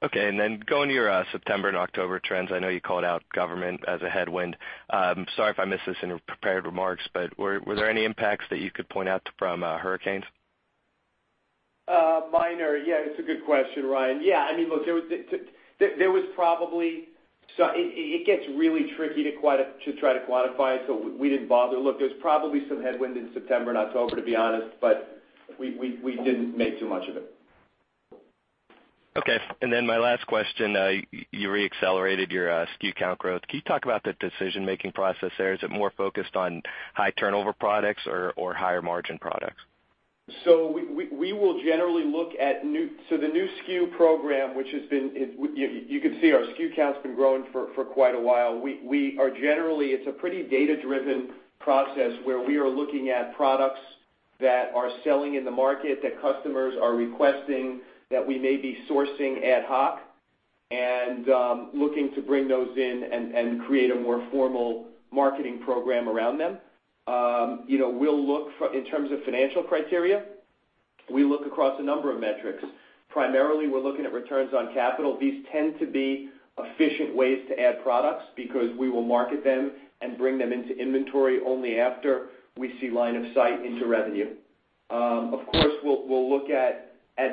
Okay. Going to your September and October trends, I know you called out government as a headwind. I'm sorry if I missed this in your prepared remarks, but were there any impacts that you could point out from hurricanes? Minor. Yeah, it's a good question, Ryan. Look, it gets really tricky to try to quantify it, so we didn't bother. Look, there's probably some headwind in September and October, to be honest, but we didn't make too much of it. Okay. My last question, you re-accelerated your SKU count growth. Can you talk about the decision-making process there? Is it more focused on high turnover products or higher margin products? The new SKU program, you can see our SKU count's been growing for quite a while. Generally, it's a pretty data-driven process where we are looking at products that are selling in the market, that customers are requesting, that we may be sourcing ad hoc, and looking to bring those in and create a more formal marketing program around them. In terms of financial criteria, we look across a number of metrics. Primarily, we're looking at returns on capital. These tend to be efficient ways to add products because we will market them and bring them into inventory only after we see line of sight into revenue. Of course, we'll look at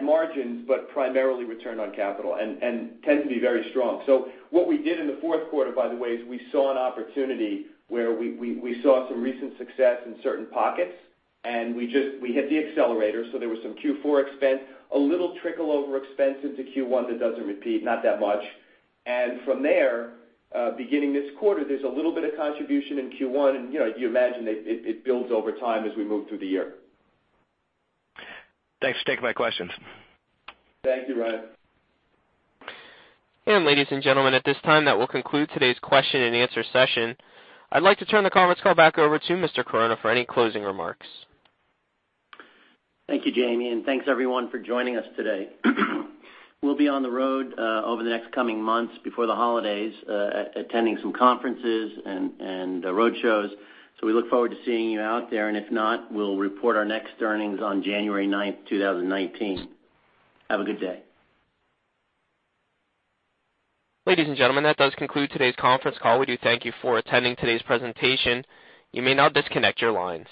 margins, but primarily return on capital, and tend to be very strong. What we did in the fourth quarter, by the way, is we saw an opportunity where we saw some recent success in certain pockets, and we hit the accelerator. There was some Q4 expense, a little trickle over expense into Q1 that doesn't repeat, not that much. From there, beginning this quarter, there's a little bit of contribution in Q1, and you imagine that it builds over time as we move through the year. Thanks for taking my questions. Thank you, Ryan. Ladies and gentlemen, at this time, that will conclude today's question and answer session. I'd like to turn the conference call back over to Mr. Chironna for any closing remarks. Thank you, Jamie, and thanks everyone for joining us today. We'll be on the road over the next coming months before the holidays attending some conferences and road shows. We look forward to seeing you out there, and if not, we'll report our next earnings on January 9th, 2019. Have a good day. Ladies and gentlemen, that does conclude today's conference call. We do thank you for attending today's presentation. You may now disconnect your lines.